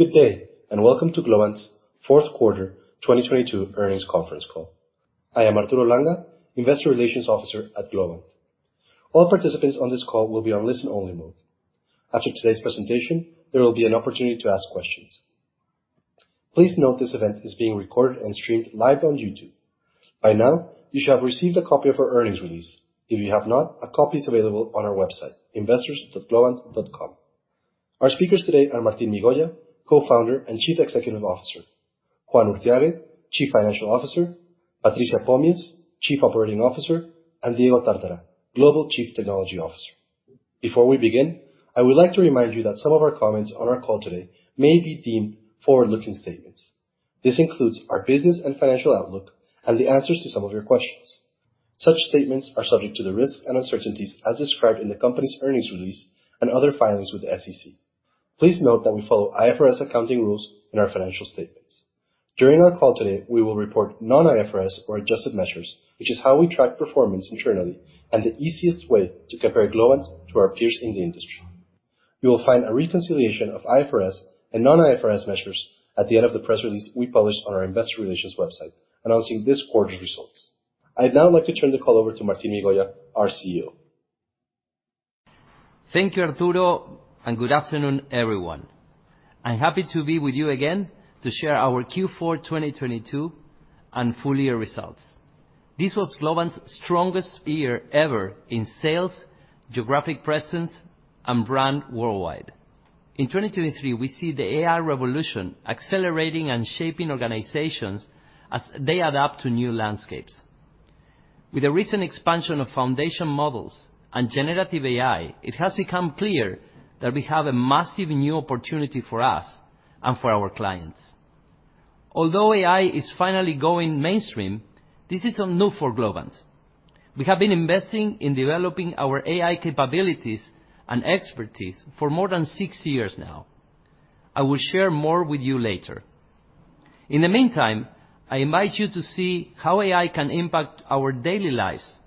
Good day, welcome to Globant's fourth quarter 2022 earnings conference call. I am Arturo Langa, Investor Relations Officer at Globant. All participants on this call will be on listen-only mode. After today's presentation, there will be an opportunity to ask questions. Please note this event is being recorded and streamed live on YouTube. By now, you should have received a copy of our earnings release. If you have not, a copy is available on our website, investorsdotglobantdotcom. Our speakers today are Martín Migoya, Co-Founder and Chief Executive Officer, Juan Urthiague, Chief Financial Officer, Patricia Pomies, Chief Operating Officer, and Diego Tartara, Global Chief Technology Officer. Before we begin, I would like to remind you that some of our comments on our call today may be deemed forward-looking statements. This includes our business and financial outlook and the answers to some of your questions. Such statements are subject to the risks and uncertainties as described in the company's earnings release and other filings with the SEC. Please note that we follow IFRS accounting rules in our financial statements. During our call today, we will report non-IFRS or adjusted measures, which is how we track performance internally and the easiest way to compare Globant to our peers in the industry. You will find a reconciliation of IFRS and non-IFRS measures at the end of the press release we published on our investor relations website announcing this quarter's results. I'd now like to turn the call over to Martín Migoya, our CEO. Thank you, Arturo. Good afternoon, everyone. I'm happy to be with you again to share our Q4 2022 and full-year results. This was Globant's strongest year ever in sales, geographic presence, and brand worldwide. In 2023, we see the AI revolution accelerating and shaping organizations as they adapt to new landscapes. With the recent expansion of foundation models and generative AI, it has become clear that we have a massive new opportunity for us and for our clients. AI is finally going mainstream, this isn't new for Globant. We have been investing in developing our AI capabilities and expertise for more than six years now. I will share more with you later. In the meantime, I invite you to see how AI can impact our daily lives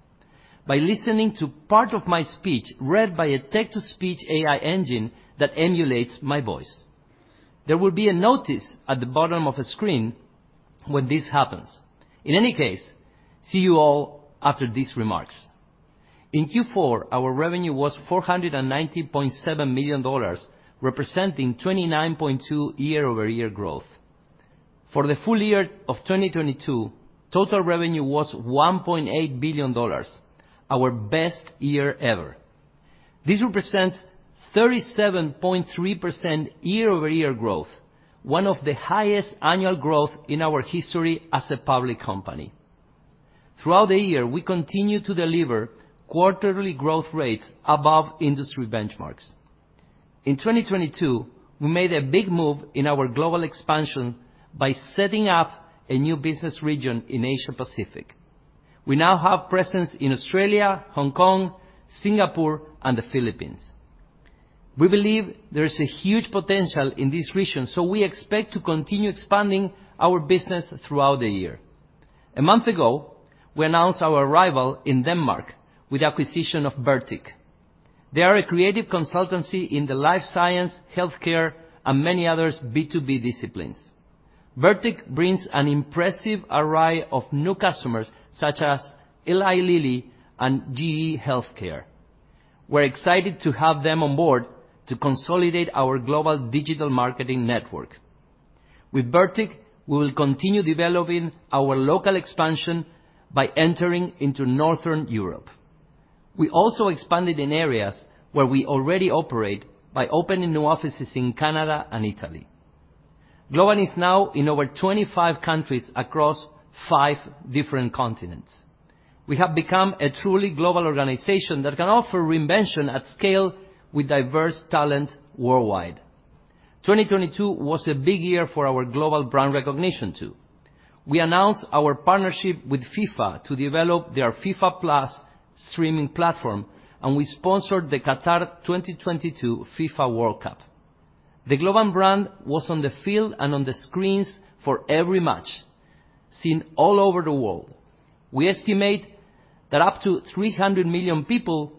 by listening to part of my speech read by a text-to-speech AI engine that emulates my voice. There will be a notice at the bottom of the screen when this happens. In any case, see you all after these remarks. In Q4, our revenue was $490.7 million, representing 29.2% year-over-year growth. For the full year of 2022, total revenue was $1.8 billion, our best year ever. This represents 37.3% year-over-year growth, one of the highest annual growth in our history as a public company. Throughout the year, we continued to deliver quarterly growth rates above industry benchmarks. In 2022, we made a big move in our global expansion by setting up a new business region in Asia-Pacific. We now have presence in Australia, Hong Kong, Singapore, and the Philippines. We believe there is a huge potential in this region, so we expect to continue expanding our business throughout the year. A month ago, we announced our arrival in Denmark with acquisition of Vertic. They are a creative consultancy in the life science, healthcare, and many others B2B disciplines. Vertic brings an impressive array of new customers such as Eli Lilly and GE HealthCare. We're excited to have them on board to consolidate our global digital marketing network. With Vertic, we will continue developing our local expansion by entering into Northern Europe. We also expanded in areas where we already operate by opening new offices in Canada and Italy. Globant is now in over 25 countries across five different continents. We have become a truly global organization that can offer reinvention at scale with diverse talent worldwide. 2022 was a big year for our global brand recognition too. We announced our partnership with FIFA to develop their FIFA+ streaming platform, and we sponsored the Qatar 2022 FIFA World Cup. The Globant brand was on the field and on the screens for every match seen all over the world. We estimate that up to 300 million people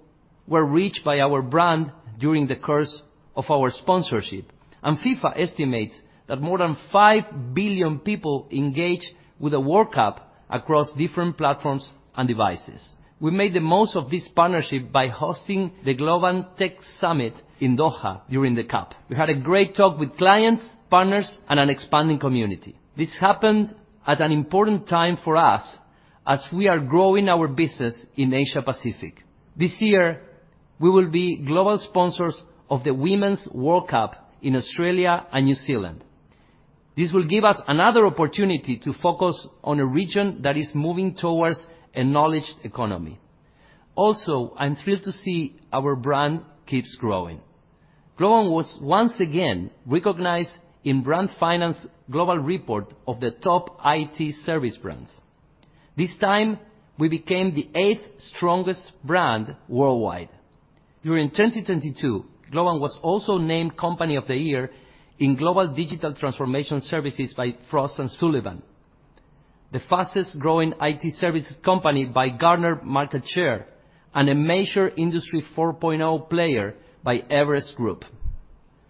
were reached by our brand during the course of our sponsorship, and FIFA estimates that more than 5 billion people engaged with the World Cup across different platforms and devices. We made the most of this partnership by hosting the Globant Tech Summit in Doha during the cup. We had a great talk with clients, partners, and an expanding community. This happened at an important time for us as we are growing our business in Asia-Pacific. This year, we will be global sponsors of the Women's World Cup in Australia and New Zealand. This will give us another opportunity to focus on a region that is moving towards a knowledge economy. Also, I'm thrilled to see our brand keeps growing. Globant was once again recognized in Brand Finance Global Report of the top IT service brands. This time, we became the eighth strongest brand worldwide. During 2022, Globant was also named company of the year in Global Digital Transformation Services by Frost & Sullivan. The fastest growing IT services company by Gartner market share and a major Industry 4.0 player by Everest Group.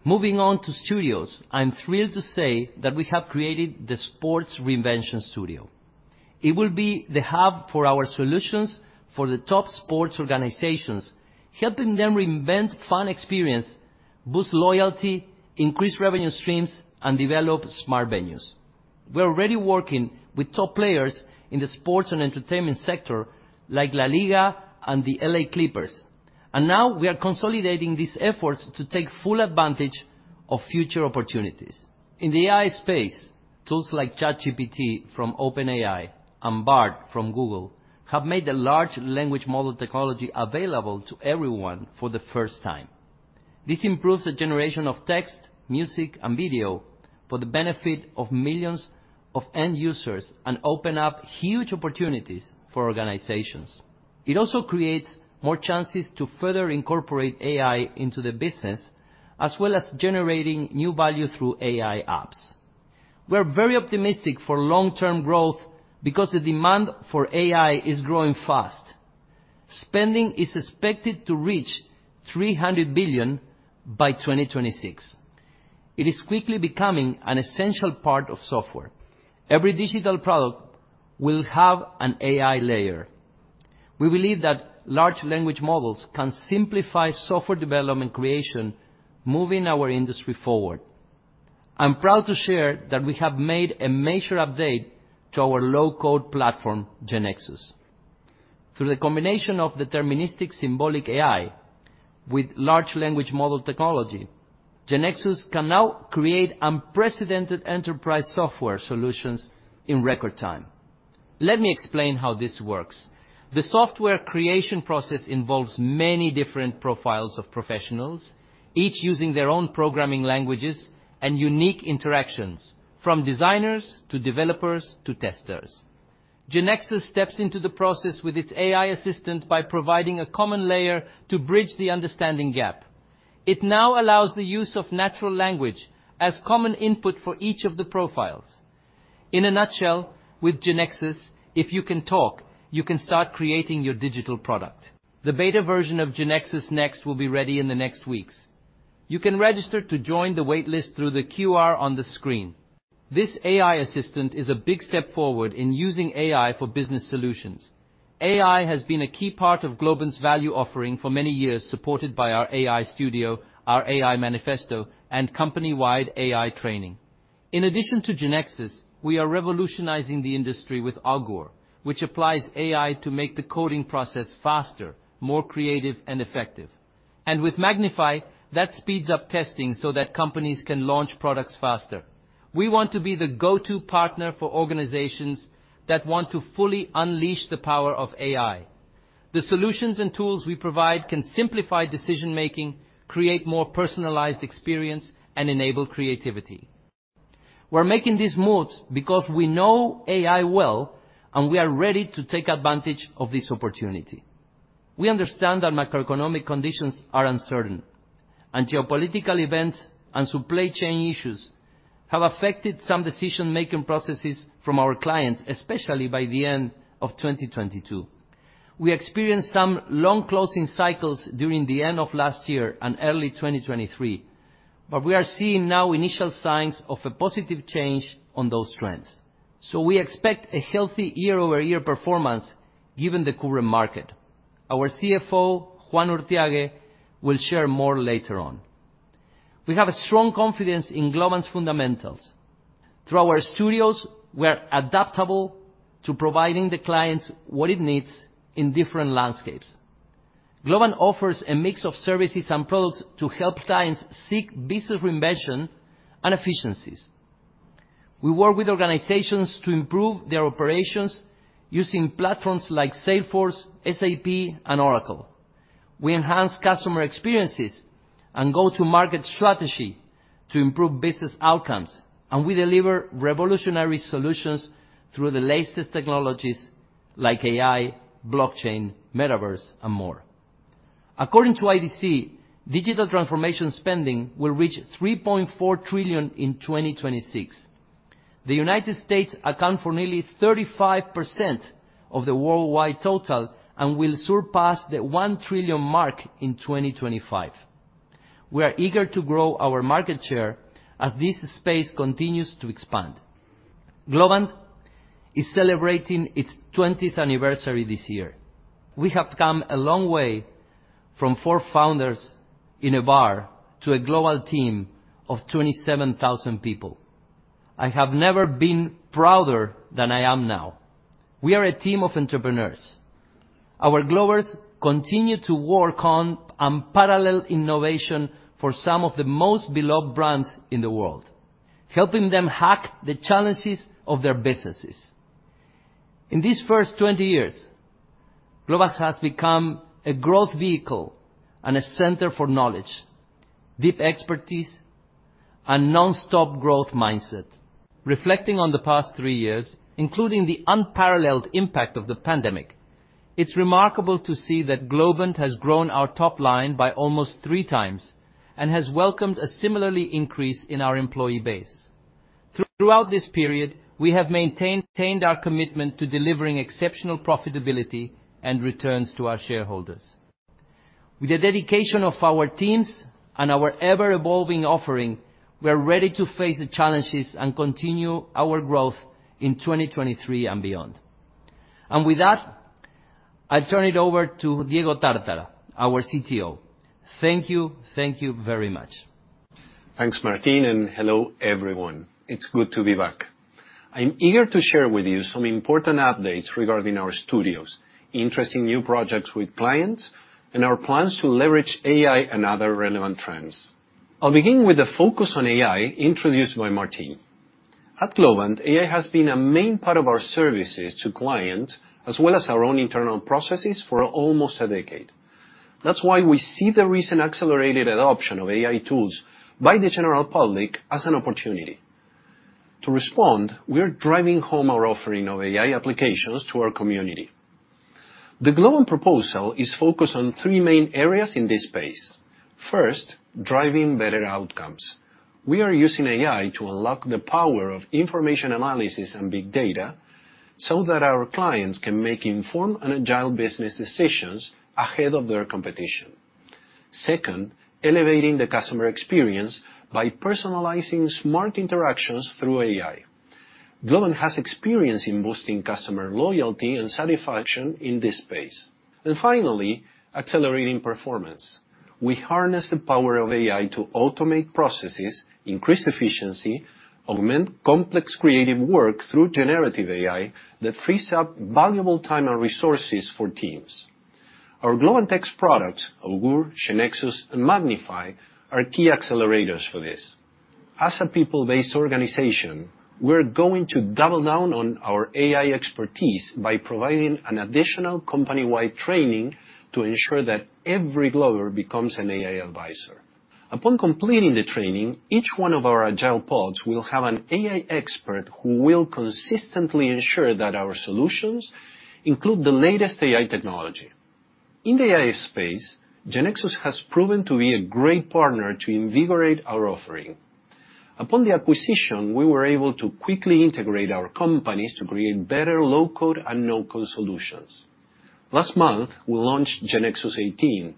Moving on to studios, I'm thrilled to say that we have created the Sports Reinvention Studio. It will be the hub for our solutions for the top sports organizations, helping them reinvent fan experience, boost loyalty, increase revenue streams, and develop smart venues. We're already working with top players in the sports and entertainment sector like LaLiga and the LA Clippers. Now we are consolidating these efforts to take full advantage of future opportunities. In the AI space, tools like ChatGPT from OpenAI and Bard from Google have made the large language model technology available to everyone for the first time. This improves the generation of text, music, and video for the benefit of millions of end users and open up huge opportunities for organizations. It also creates more chances to further incorporate AI into the business, as well as generating new value through AI apps. We're very optimistic for long-term growth because the demand for AI is growing fast. Spending is expected to reach $300 billion by 2026. It is quickly becoming an essential part of software. Every digital product will have an AI layer. We believe that large language models can simplify software development creation, moving our industry forward. I'm proud to share that we have made a major update to our low-code platform, GeneXus. Through the combination of deterministic symbolic AI with large language model technology, GeneXus can now create unprecedented enterprise software solutions in record time. Let me explain how this works. The software creation process involves many different profiles of professionals, each using their own programming languages and unique interactions from designers to developers to testers. GeneXus steps into the process with its AI assistant by providing a common layer to bridge the understanding gap. It now allows the use of natural language as common input for each of the profiles. In a nutshell, with GeneXus, if you can talk, you can start creating your digital product. The beta version of GeneXus Next will be ready in the next weeks. You can register to join the wait list through the QR on the screen. This AI assistant is a big step forward in using AI for business solutions. AI has been a key part of Globant's value offering for many years, supported by our AI Studio, our AI Manifesto, and company-wide AI training. In addition to GeneXus, we are revolutionizing the industry with Augoor, which applies AI to make the coding process faster, more creative, and effective. With MagnifAI, that speeds up testing so that companies can launch products faster. We want to be the go-to partner for organizations that want to fully unleash the power of AI. The solutions and tools we provide can simplify decision-making, create more personalized experience, and enable creativity. We're making these moves because we know AI well, and we are ready to take advantage of this opportunity. We understand that macroeconomic conditions are uncertain, and geopolitical events and supply chain issues have affected some decision-making processes from our clients, especially by the end of 2022. We experienced some long closing cycles during the end of last year and early 2023. We are seeing now initial signs of a positive change on those trends. We expect a healthy year-over-year performance given the current market. Our CFO, Juan Urthiague, will share more later on. We have a strong confidence in Globant's fundamentals. Through our studios, we're adaptable to providing the clients what it needs in different landscapes. Globant offers a mix of services and products to help clients seek business reinvention and efficiencies. We work with organizations to improve their operations using platforms like Salesforce, SAP, and Oracle. We enhance customer experiences and go to market strategy to improve business outcomes. We deliver revolutionary solutions through the latest technologies like AI, blockchain, metaverse, and more. According to IDC, digital transformation spending will reach $3.4 trillion in 2026. The United States account for nearly 35% of the worldwide total and will surpass the $1 trillion mark in 2025. We are eager to grow our market share as this space continues to expand. Globant is celebrating its 20th anniversary this year. We have come a long way from four founders in a bar to a global team of 27,000 people. I have never been prouder than I am now. We are a team of entrepreneurs. Our Globers continue to work on unparalleled innovation for some of the most beloved brands in the world, helping them hack the challenges of their businesses. In these first 20 years, Globant has become a growth vehicle and a center for knowledge, deep expertise, and nonstop growth mindset. Reflecting on the past three years, including the unparalleled impact of the pandemic. It's remarkable to see that Globant has grown our top line by almost three times and has welcomed a similarly increase in our employee base. Throughout this period, we have maintained our commitment to delivering exceptional profitability and returns to our shareholders. With the dedication of our teams and our ever-evolving offering, we are ready to face the challenges and continue our growth in 2023 and beyond. With that, I turn it over to Diego Tartara, our CTO. Thank you. Thank you very much. Thanks, Martín. Hello, everyone. It's good to be back. I'm eager to share with you some important updates regarding our studios, interesting new projects with clients, and our plans to leverage AI and other relevant trends. I'll begin with the focus on AI introduced by Martín. At Globant, AI has been a main part of our services to clients as well as our own internal processes for almost a decade. That's why we see the recent accelerated adoption of AI tools by the general public as an opportunity. To respond, we are driving home our offering of AI applications to our community. The Globant proposal is focused on three main areas in this space. First, driving better outcomes. We are using AI to unlock the power of information analysis and big data so that our clients can make informed and agile business decisions ahead of their competition. Second, elevating the customer experience by personalizing smart interactions through AI. Globant has experience in boosting customer loyalty and satisfaction in this space. Finally, accelerating performance. We harness the power of AI to automate processes, increase efficiency, augment complex creative work through generative AI that frees up valuable time and resources for teams. Our Globant X products, Augoor, GeneXus, and MagnifAI, are key accelerators for this. As a people-based organization, we're going to double down on our AI expertise by providing an additional company-wide training to ensure that every Glober becomes an AI advisor. Upon completing the training, each one of our agile pods will have an AI expert who will consistently ensure that our solutions include the latest AI technology. In the AI space, GeneXus has proven to be a great partner to invigorate our offering. Upon the acquisition, we were able to quickly integrate our companies to create better low-code and no-code solutions. Last month, we launched GeneXus 18,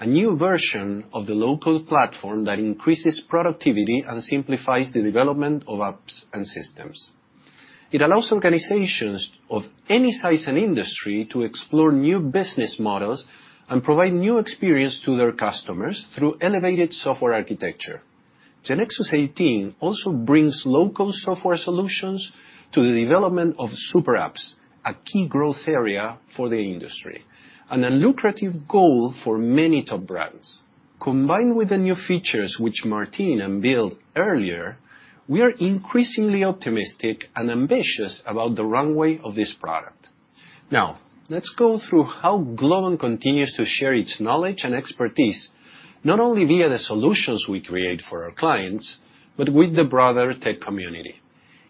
a new version of the low-code platform that increases productivity and simplifies the development of apps and systems. It allows organizations of any size and industry to explore new business models and provide new experience to their customers through elevated software architecture. GeneXus 18 also brings low-code software solutions to the development of super apps, a key growth area for the industry, and a lucrative goal for many top brands. Combined with the new features which Martín unveiled earlier, we are increasingly optimistic and ambitious about the runway of this product. Let's go through how Globant continues to share its knowledge and expertise, not only via the solutions we create for our clients, but with the broader tech community.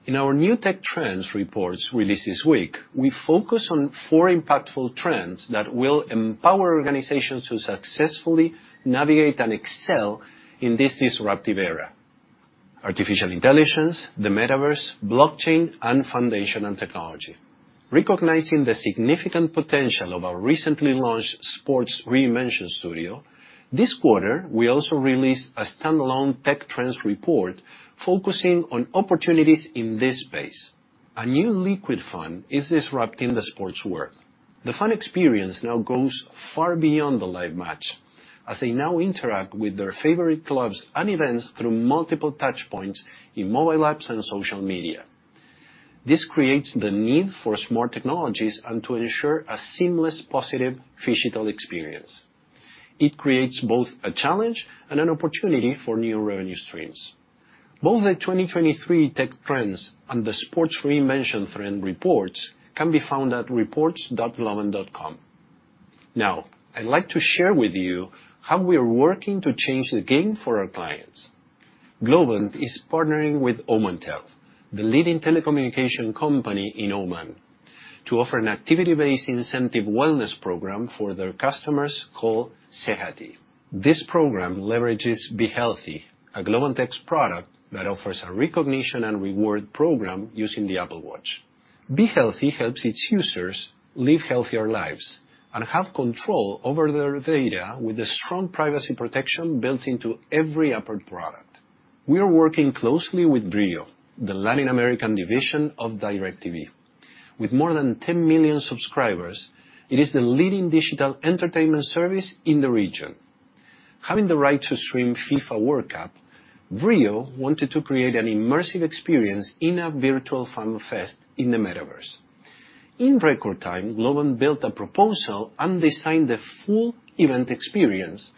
In our new Tech Trends reports released this week, we focus on trends impactful trends that will empower organizations to successfully navigate and excel in this disruptive era: artificial intelligence, the metaverse, blockchain, and foundational technology. Recognizing the significant potential of our recently launched Sports Reinvention Studio, this quarter, we also released a standalone Tech Trends report focusing on opportunities in this space. A new liquid fund is disrupting the sports world. The fan experience now goes far beyond the live match as they now interact with their favorite clubs and events through multiple touchpoints in mobile apps and social media. This creates the need for smart technologies and to ensure a seamless, positive phygital experience. It creates both a challenge and an opportunity for new revenue streams. Both the 2023 Tech Trends and the Sports Reinvention trend reports can be found at reports.globant.com. Now, I'd like to share with you how we are working to change the game for our clients. Globant is partnering with Omantel, the leading telecommunication company in Oman, to offer an activity-based incentive wellness program for their customers called Sehati. This program leverages Be Healthy, a Globant X product that offers a recognition and reward program using the Apple Watch. Be Healthy helps its users live healthier lives and have control over their data with the strong privacy protection built into every Apple product. We are working closely with VRIO, the Latin American division of DirecTV. With more than 10 million subscribers, it is the leading digital entertainment service in the region. Having the right to stream FIFA World Cup, VRIO wanted to create an immersive experience in a virtual fan fest in the metaverse. In record time, Globant built a proposal and designed the full event experience.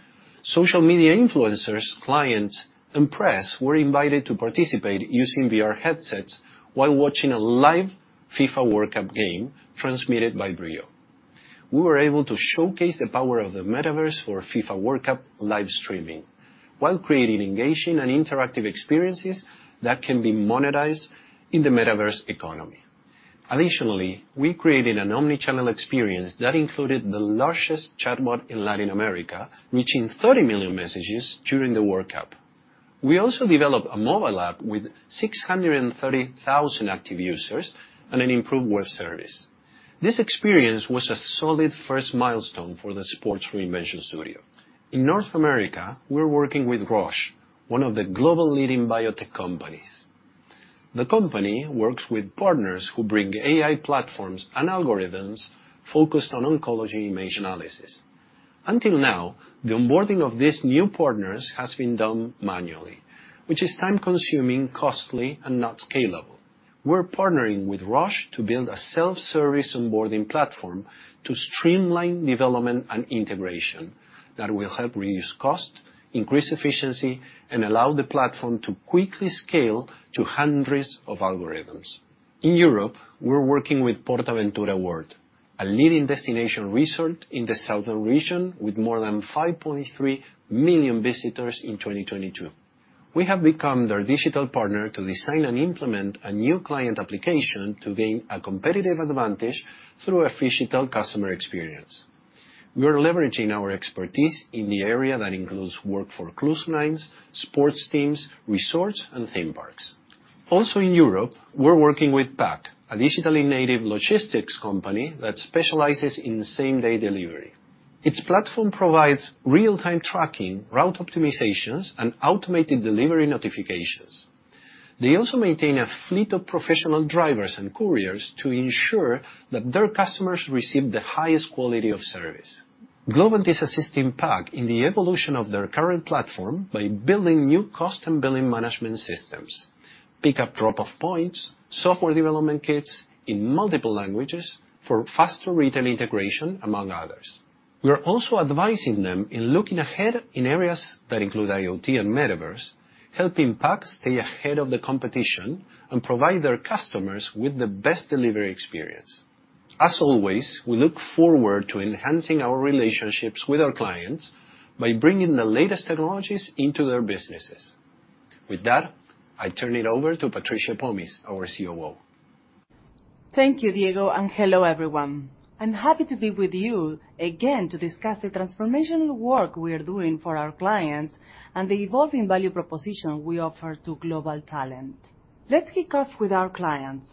Social media influencers, clients, and press were invited to participate using VR headsets while watching a live FIFA World Cup game transmitted by VRIO. We were able to showcase the power of the metaverse for FIFA World Cup live streaming while creating engaging and interactive experiences that can be monetized in the metaverse economy. We created an omni-channel experience that included the largest chatbot in Latin America, reaching 30 million messages during the World Cup. We also developed a mobile app with 630,000 active users and an improved web service. This experience was a solid first milestone for the Sports Reinvention Studio. In North America, we're working with Roche, one of the global leading biotech companies. The company works with partners who bring AI platforms and algorithms focused on oncology image analysis. Until now, the onboarding of these new partners has been done manually, which is time-consuming, costly, and not scalable. We're partnering with Roche to build a self-service onboarding platform to streamline development and integration that will help reduce cost, increase efficiency, and allow the platform to quickly scale to hundreds of algorithms. In Europe, we're working with PortAventura World, a leading destination resort in the southern region with more than 5.3 million visitors in 2022. We have become their digital partner to design and implement a new client application to gain a competitive advantage through a phygital customer experience. We are leveraging our expertise in the area that includes work for cruise lines, sports teams, resorts, and theme parks. In Europe, we're working with Paack, a digitally native logistics company that specializes in same-day delivery. Its platform provides real-time tracking, route optimizations, and automated delivery notifications. They also maintain a fleet of professional drivers and couriers to ensure that their customers receive the highest quality of service. Globant is assisting Paack in the evolution of their current platform by building new cost and billing management systems, pickup drop-off points, software development kits in multiple languages for faster retail integration, among others. We are also advising them in looking ahead in areas that include IoT and metaverse, helping Paack stay ahead of the competition and provide their customers with the best delivery experience. As always, we look forward to enhancing our relationships with our clients by bringing the latest technologies into their businesses. With that, I turn it over to Patricia Pomies, our COO. Thank you, Diego, and hello, everyone. I'm happy to be with you again to discuss the transformational work we are doing for our clients and the evolving value proposition we offer to global talent. Let's kick off with our clients.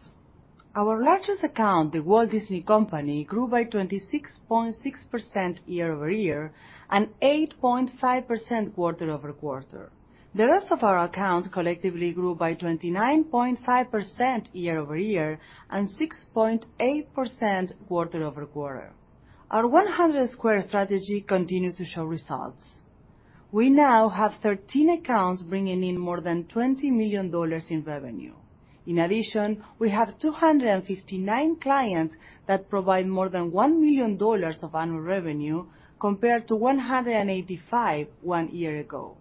Our largest account, The Walt Disney Company, grew by 26.6% year-over-year and 8.5% quarter-over-quarter. The rest of our accounts collectively grew by 29.5% year-over-year and 6.8% quarter-over-quarter. Our 100 squared strategy continues to show results. We now have 13 accounts bringing in more than $20 million in revenue. In addition, we have 259 clients that provide more than $1 million of annual revenue compared to 185 one year ago.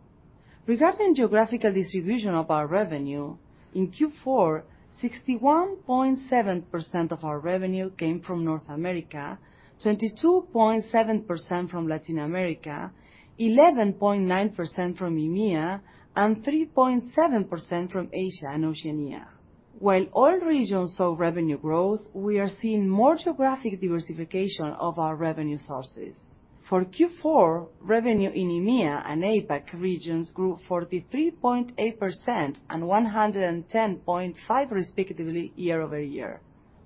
Regarding geographical distribution of our revenue, in Q4, 61.7% of our revenue came from North America, 22.7% from Latin America, 11.9% from EMEA, and 3.7% from Asia and Oceania. While all regions saw revenue growth, we are seeing more geographic diversification of our revenue sources. For Q4, revenue in EMEA and APAC regions grew 43.8% and 110.5% respectively year-over-year.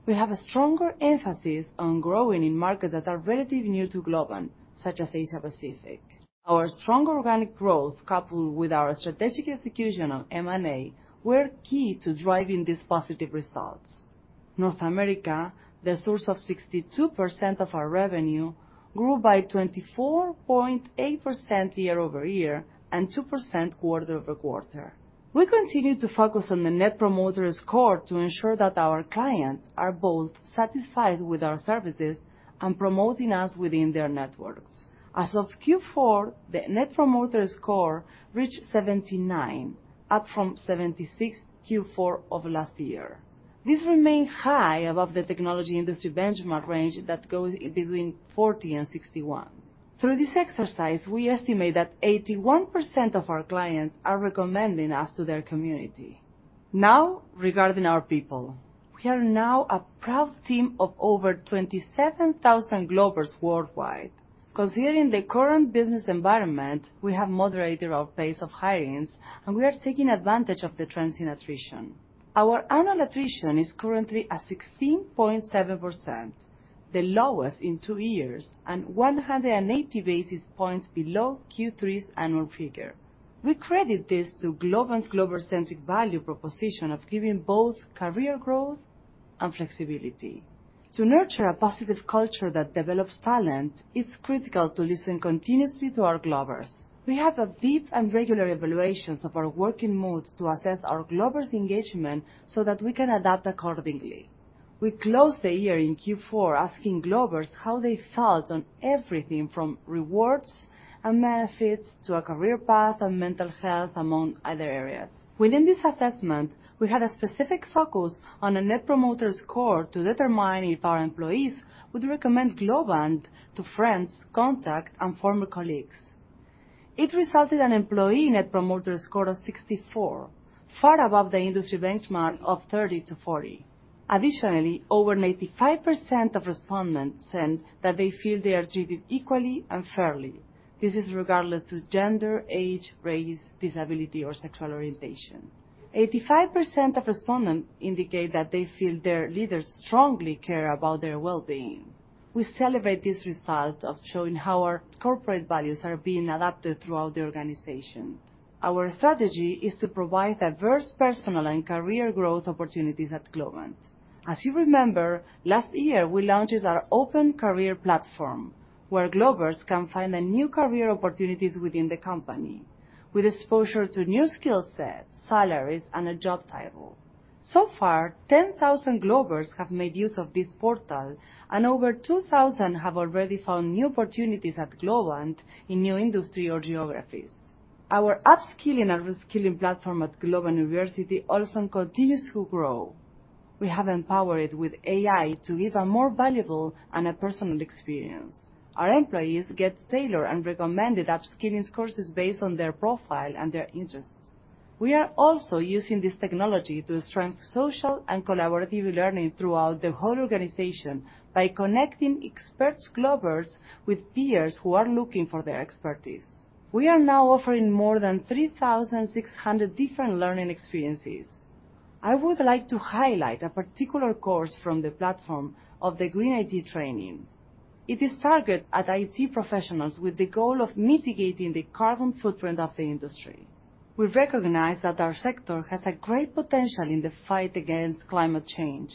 We have a stronger emphasis on growing in markets that are relatively new to Globant, such as Asia-Pacific. Our strong organic growth, coupled with our strategic execution on M&A, were key to driving these positive results. North America, the source of 62% of our revenue, grew by 24.8% year-over-year and 2% quarter-over-quarter. We continue to focus on the net promoter score to ensure that our clients are both satisfied with our services and promoting us within their networks. As of Q4, the net promoter score reached 79, up from 76 Q4 of last year. This remained high above the technology industry benchmark range that goes between 40 and 61. Through this exercise, we estimate that 81% of our clients are recommending us to their community. Now, regarding our people. We are now a proud team of over 27,000 Globers worldwide. Considering the current business environment, we have moderated our pace of hirings, and we are taking advantage of the trends in attrition. Our annual attrition is currently at 16.7%, the lowest in two years, and 180 basis points below Q3's annual figure. We credit this to Globant's Glober-centric value proposition of giving both career growth and flexibility. To nurture a positive culture that develops talent, it's critical to listen continuously to our Globers. We have deep and regular evaluations of our working modes to assess our Globers' engagement so that we can adapt accordingly. We closed the year in Q4 asking Globers how they felt on everything from rewards and benefits to a career path and mental health, among other areas. Within this assessment, we had a specific focus on a net promoter score to determine if our employees would recommend Globant to friends, contacts, and former colleagues. It resulted an employee net promoter score of 64, far above the industry benchmark of 30-40. Additionally, over 95% of respondents said that they feel they are treated equally and fairly. This is regardless of gender, age, race, disability, or sexual orientation. 85% of respondents indicate that they feel their leaders strongly care about their well-being. We celebrate this result of showing how our corporate values are being adapted throughout the organization. Our strategy is to provide diverse personal and career growth opportunities at Globant. As you remember, last year, we launched our open career platform, where Globbers can find the new career opportunities within the company with exposure to new skill sets, salaries, and a job title. So far, 10,000 Globbers have made use of this portal, and over 2,000 have already found new opportunities at Globant in new industry or geographies. Our upskilling and reskilling platform at Globant University also continues to grow. We have empowered with AI to give a more valuable and a personal experience. Our employees get tailored and recommended upskilling courses based on their profile and their interests. We are also using this technology to strengthen social and collaborative learning throughout the whole organization by connecting experts Globbers with peers who are looking for their expertise. We are now offering more than 3,600 different learning experiences. I would like to highlight a particular course from the platform of the Green IT training. It is targeted at IT professionals with the goal of mitigating the carbon footprint of the industry. We recognize that our sector has a great potential in the fight against climate change.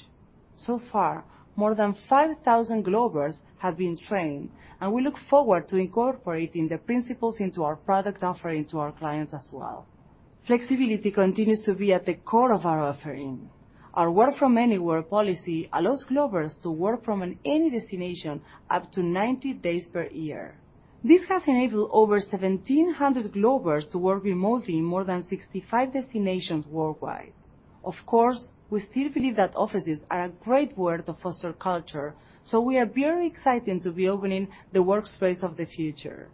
More than 5,000 Globbers have been trained, and we look forward to incorporating the principles into our product offering to our clients as well. Flexibility continues to be at the core of our offering. Our work from anywhere policy allows Globbers to work from any destination up to 90 days per year. This has enabled over 1,700 Globbers to work remotely in more than 65 destinations worldwide. Of course, we still believe that offices are a great way to foster culture, so we are very excited to be opening the workspace of the future.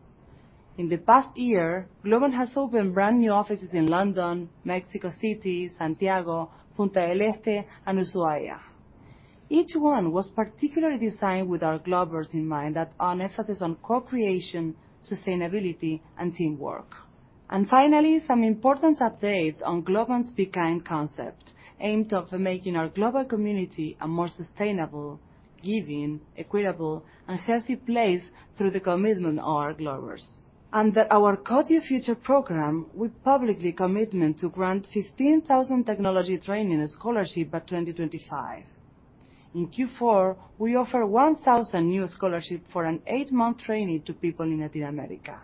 In the past year, Globant has opened brand-new offices in London, Mexico City, Santiago, Punta del Este, and Ushuaia. Each one was particularly designed with our Globbers in mind that an emphasis on co-creation, sustainability, and teamwork. Finally, some important updates on Globant's Be Kind concept, aimed of making our global community a more sustainable, giving, equitable, and healthy place through the commitment of our Globbers. Under our Code Your Future program, we publicly commitment to grant 15,000 technology training scholarship by 2025. In Q4, we offer 1,000 new scholarship for an eight-month training to people in Latin America.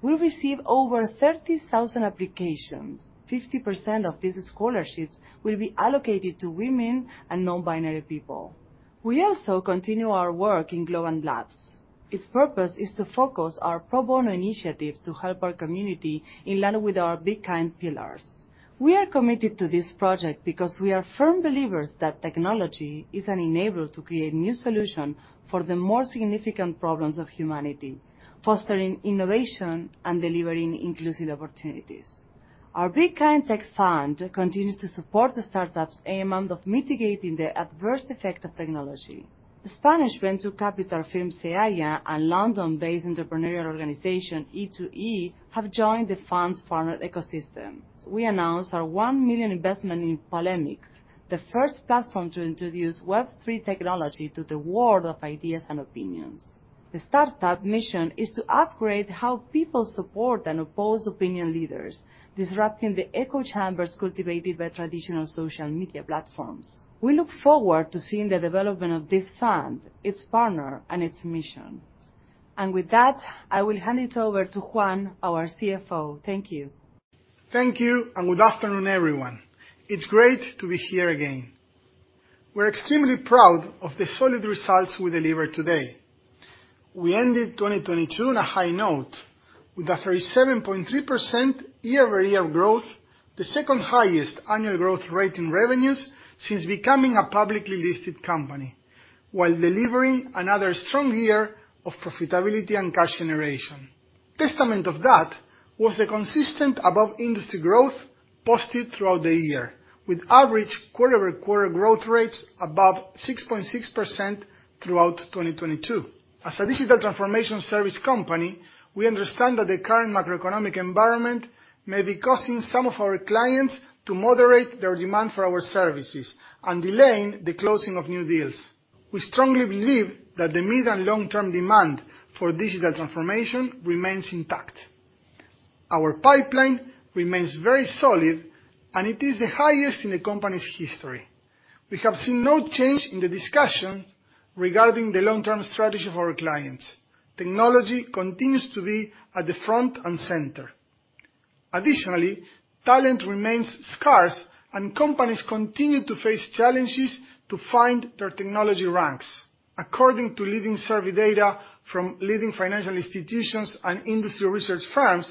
We receive over 30,000 applications. 50% of these scholarships will be allocated to women and non-binary people. We also continue our work in Globant Labs. Its purpose is to focus our pro bono initiatives to help our community in line with our Be Kind pillars. We are committed to this project because we are firm believers that technology is an enabler to create new solution for the more significant problems of humanity, fostering innovation and delivering inclusive opportunities. Our Be Kind Tech Fund continues to support the startups aimed of mitigating the adverse effect of technology. The Spanish venture capital firm, Seaya, and London-based entrepreneurial organization, e2e, have joined the fund's founder ecosystem. We announced our $1 million investment in Polemix, the first platform to introduce Web3 technology to the world of ideas and opinions. The startup mission is to upgrade how people support and oppose opinion leaders, disrupting the echo chambers cultivated by traditional social media platforms. We look forward to seeing the development of this fund, its partner, and its mission. With that, I will hand it over to Juan, our CFO. Thank you. Thank you. Good afternoon, everyone. It's great to be here again. We're extremely proud of the solid results we delivered today. We ended 2022 on a high note with a 37.3% year-over-year growth, the second highest annual growth rate in revenues since becoming a publicly listed company while delivering another strong year of profitability and cash generation. Testament of that was a consistent above-industry growth posted throughout the year with average quarter-over-quarter growth rates above 6.6% throughout 2022. As a digital transformation service company, we understand that the current macroeconomic environment may be causing some of our clients to moderate their demand for our services and delaying the closing of new deals. We strongly believe that the mid- and long-term demand for digital transformation remains intact. Our pipeline remains very solid, and it is the highest in the company's history. We have seen no change in the discussion regarding the long-term strategy of our clients. Technology continues to be at the front and center. Additionally, talent remains scarce, and companies continue to face challenges to find their technology ranks. According to leading survey data from leading financial institutions and industry research firms.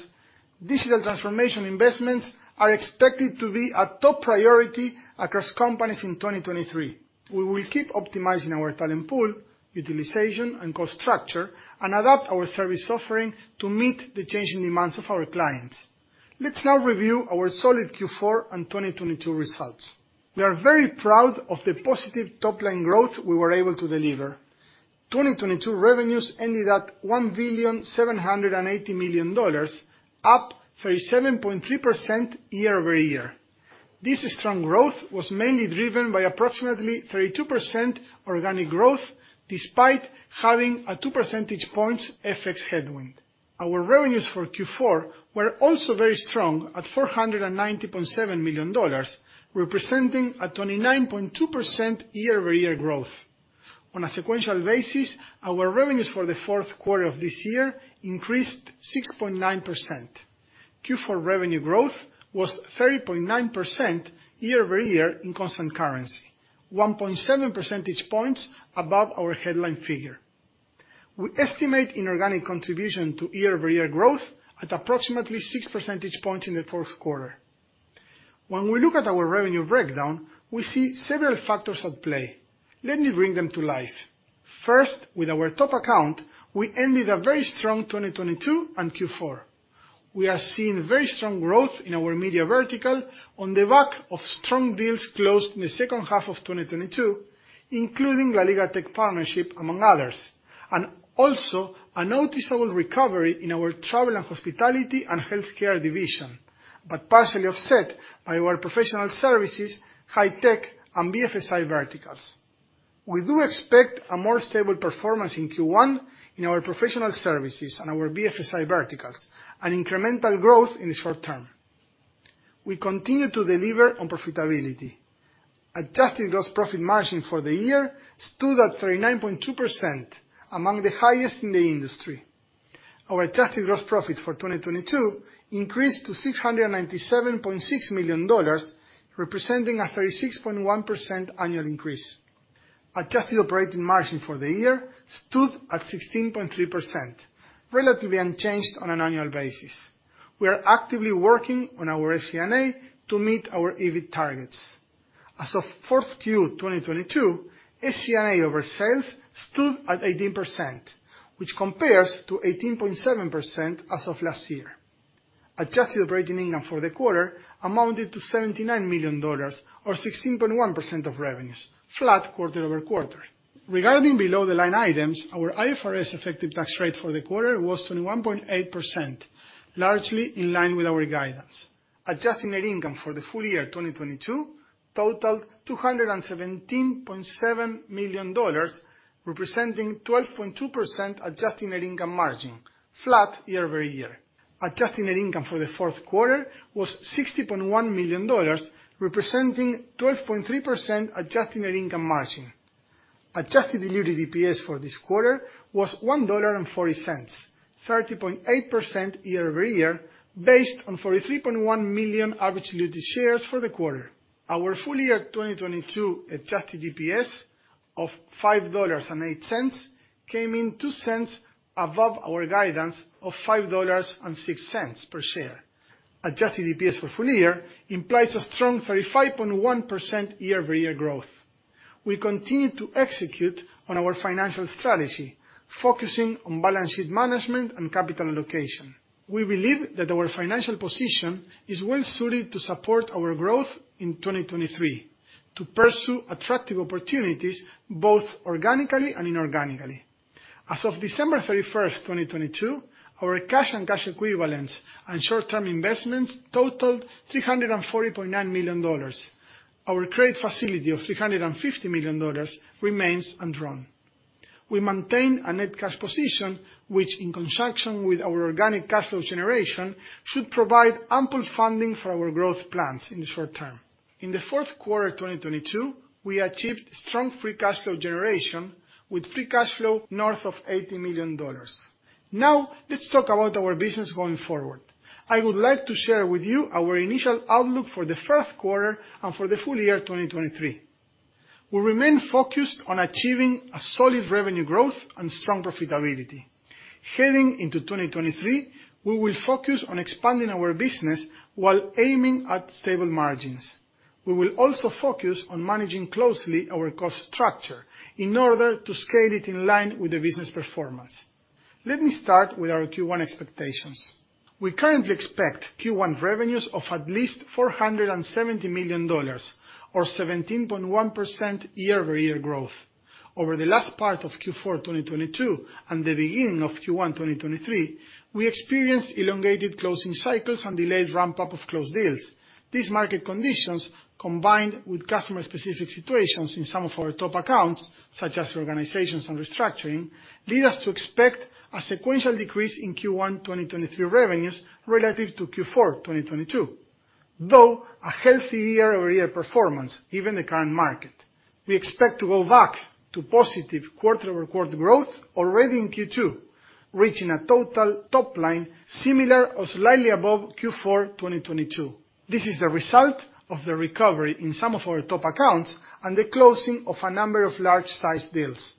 Digital transformation investments are expected to be a top priority across companies in 2023. We will keep optimizing our talent pool, utilization, and cost structure and adapt our service offering to meet the changing demands of our clients. Let's now review our solid Q4 and 2022 results. We are very proud of the positive top-line growth we were able to deliver. 2022 revenues ended at $1.78 billion, up 37.3% year-over-year. This strong growth was mainly driven by approximately 32% organic growth despite having a 2 percentage points FX headwind. Our revenues for Q4 were also very strong at $490.7 million, representing a 29.2% year-over-year growth. On a sequential basis, our revenues for the fourth quarter of this year increased 6.9%. Q4 revenue growth was 30.9% year-over-year in constant currency, 1.7 percentage points above our headline figure. We estimate inorganic contribution to year-over-year growth at approximately 6 percentage points in the fourth quarter. When we look at our revenue breakdown, we see several factors at play. Let me bring them to life. First, with our top account, we ended a very strong 2022 and Q4. We are seeing very strong growth in our media vertical on the back of strong deals closed in the second half of 2022, including LaLiga Tech partnership, among others. Also a noticeable recovery in our travel and hospitality and healthcare division, but partially offset by our professional services, high tech, and BFSI verticals. We do expect a more stable performance in Q1 in our professional services and our BFSI verticals and incremental growth in the short term. We continue to deliver on profitability. Adjusted gross profit margin for the year stood at 39.2%, among the highest in the industry. Our adjusted gross profit for 2022 increased to $697.6 million, representing a 36.1% annual increase. Adjusted operating margin for the year stood at 16.3%, relatively unchanged on an annual basis. We are actively working on our SG&A to meet our EBIT targets. As of fourth Q 2022, SG&A over sales stood at 18%, which compares to 18.7% as of last year. Adjusted operating income for the quarter amounted to $79 million or 16.1% of revenues, flat quarter-over-quarter. Regarding below-the-line items, our IFRS effective tax rate for the quarter was 21.8%, largely in line with our guidance. Adjusted net income for the full year 2022 totaled $217.7 million, representing 12.2% adjusted net income margin, flat year-over-year. Adjusted net income for the fourth quarter was $60.1 million, representing 12.3% adjusted net income margin. Adjusted diluted EPS for this quarter was $1.40, 30.8% year-over-year, based on 43.1 million average diluted shares for the quarter. Our full year 2022 adjusted EPS of $5.08 came in $0.02 above our guidance of $5.06 per share. Adjusted EPS for full year implies a strong 35.1% year-over-year growth. We continue to execute on our financial strategy, focusing on balance sheet management and capital allocation. We believe that our financial position is well suited to support our growth in 2023 to pursue attractive opportunities both organically and inorganically. As of December 31, 2022, our cash and cash equivalents and short-term investments totaled $340.9 million. Our credit facility of $350 million remains undrawn. We maintain a net cash position, which, in conjunction with our organic cash flow generation, should provide ample funding for our growth plans in the short term. In the fourth quarter 2022, we achieved strong free cash flow generation with free cash flow north of $80 million. Let's talk about our business going forward. I would like to share with you our initial outlook for the first quarter and for the full year 2023. We remain focused on achieving a solid revenue growth and strong profitability. Heading into 2023, we will focus on expanding our business while aiming at stable margins. We will also focus on managing closely our cost structure in order to scale it in line with the business performance. Let me start with our Q1 expectations. We currently expect Q1 revenues of at least $470 million or 17.1% year-over-year growth. Over the last part of Q4 2022 and the beginning of Q1 2023, we experienced elongated closing cycles and delayed ramp-up of closed deals. These market conditions, combined with customer-specific situations in some of our top accounts, such as reorganizations and restructuring, lead us to expect a sequential decrease in Q1 2023 revenues relative to Q4 2022. Though a healthy year-over-year performance, given the current market. We expect to go back to positive quarter-over-quarter growth already in Q2, reaching a total top line similar or slightly above Q4 2022. This is the result of the recovery in some of our top accounts and the closing of a number of large size deals.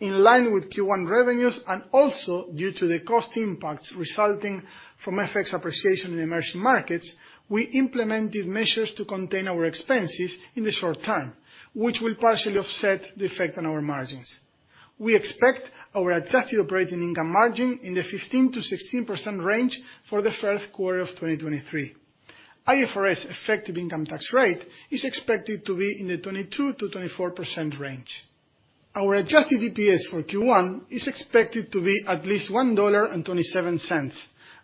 In line with Q1 revenues, and also due to the cost impacts resulting from FX appreciation in emerging markets, we implemented measures to contain our expenses in the short term, which will partially offset the effect on our margins. We expect our adjusted operating income margin in the 15%-16% range for the first quarter of 2023. IFRS effective income tax rate is expected to be in the 22%-24% range. Our adjusted EPS for Q1 is expected to be at least $1.27,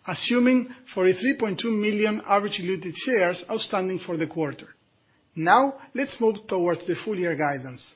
assuming for a 3.2 million average diluted shares outstanding for the quarter. Let's move towards the full year guidance.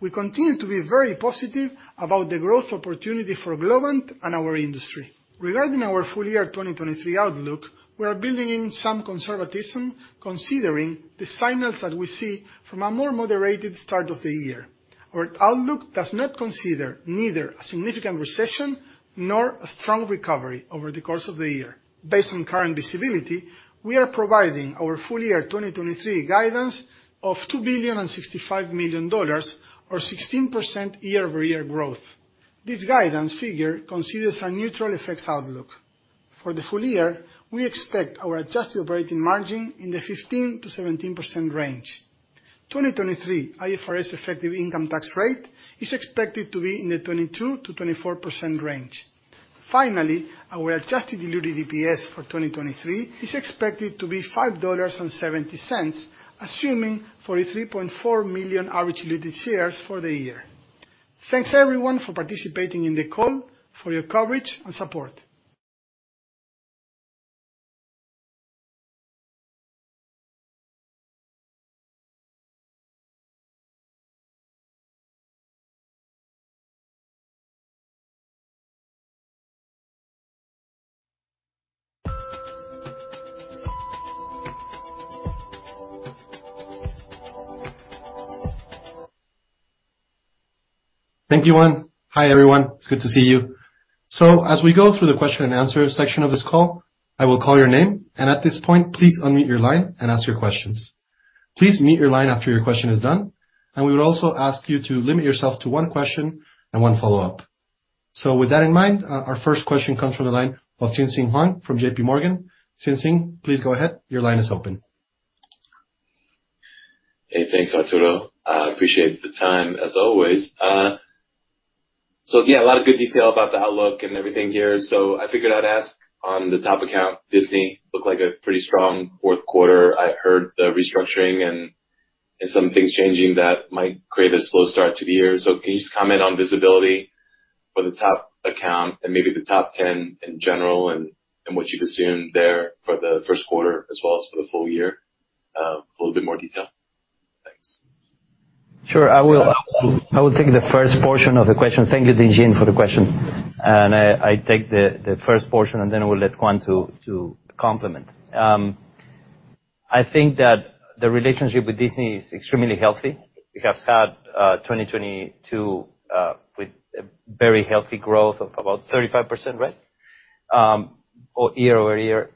We continue to be very positive about the growth opportunity for Globant and our industry. Regarding our full year 2023 outlook, we are building in some conservatism considering the signals that we see from a more moderated start of the year. Our outlook does not consider neither a significant recession nor a strong recovery over the course of the year. Based on current visibility, we are providing our full year 2023 guidance of $2,065 million or 16% year-over-year growth. This guidance figure considers a neutral effects outlook. For the full year, we expect our adjusted operating margin in the 15%-17% range. 2023 IFRS effective income tax rate is expected to be in the 22%-24% range. Finally, our adjusted diluted EPS for 2023 is expected to be $5.70, assuming for a 3.4 million average diluted shares for the year. Thanks everyone for participating in the call, for your coverage and support. Thank you, Juan. Hi, everyone. It's good to see you. As we go through the question and answer section of this call, I will call your name, and at this point, please unmute your line and ask your questions. Please mute your line after your question is done. We would also ask you to limit yourself to one question and one follow-up. With that in mind, our first question comes from the line of Tien-Tsin Huang from JPMorgan. Tien-Tsin, please go ahead. Your line is open. Hey, thanks, Arturo. I appreciate the time, as always. A lot of good detail about the outlook and everything here. I figured I'd ask on the top account, Disney, looked like a pretty strong fourth quarter. I heard the restructuring and some things changing that might create a slow start to the year. Can you just comment on visibility for the top account and maybe the top 10 in general and what you assume there for the first quarter as well as for the full year with a little bit more detail? Thanks. Sure. I will take the first portion of the question. Thank you, Tien-Tsin, for the question. I take the first portion, and then I will let Juan to complement. I think that the relationship with Disney is extremely healthy. We have had 2022 with a very healthy growth of about 35%, right? Year-over-year.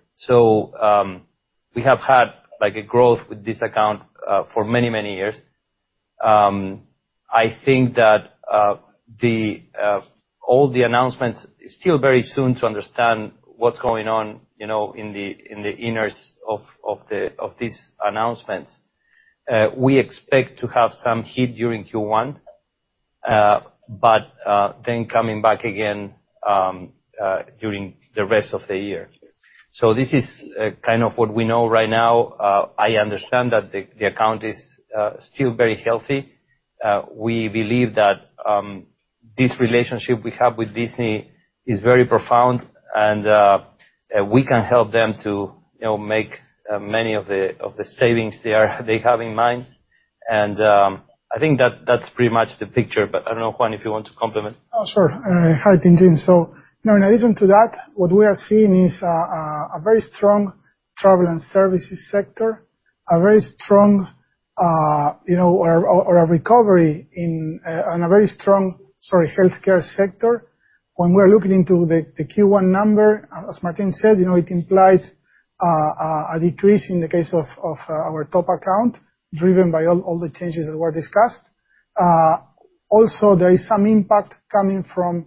We have had like a growth with this account for many, many years. I think that the all the announcements still very soon to understand what's going on, you know, in the inners of these announcements. We expect to have some hit during Q1, but then coming back again during the rest of the year. This is kind of what we know right now. I understand that the account is still very healthy. We believe that this relationship we have with Disney is very profound and we can help them to, you know, make many of the savings they have in mind. I think that that's pretty much the picture, but I don't know, Juan, if you want to complement. Sure. Hi, Tien-Tsin. In addition to that, what we are seeing is a very strong travel and services sector, a very strong, you know, or a very strong healthcare sector. When we're looking into the Q1 number, as Martín said, you know, it implies a decrease in the case of our top account, driven by all the changes that were discussed. Also there is some impact coming from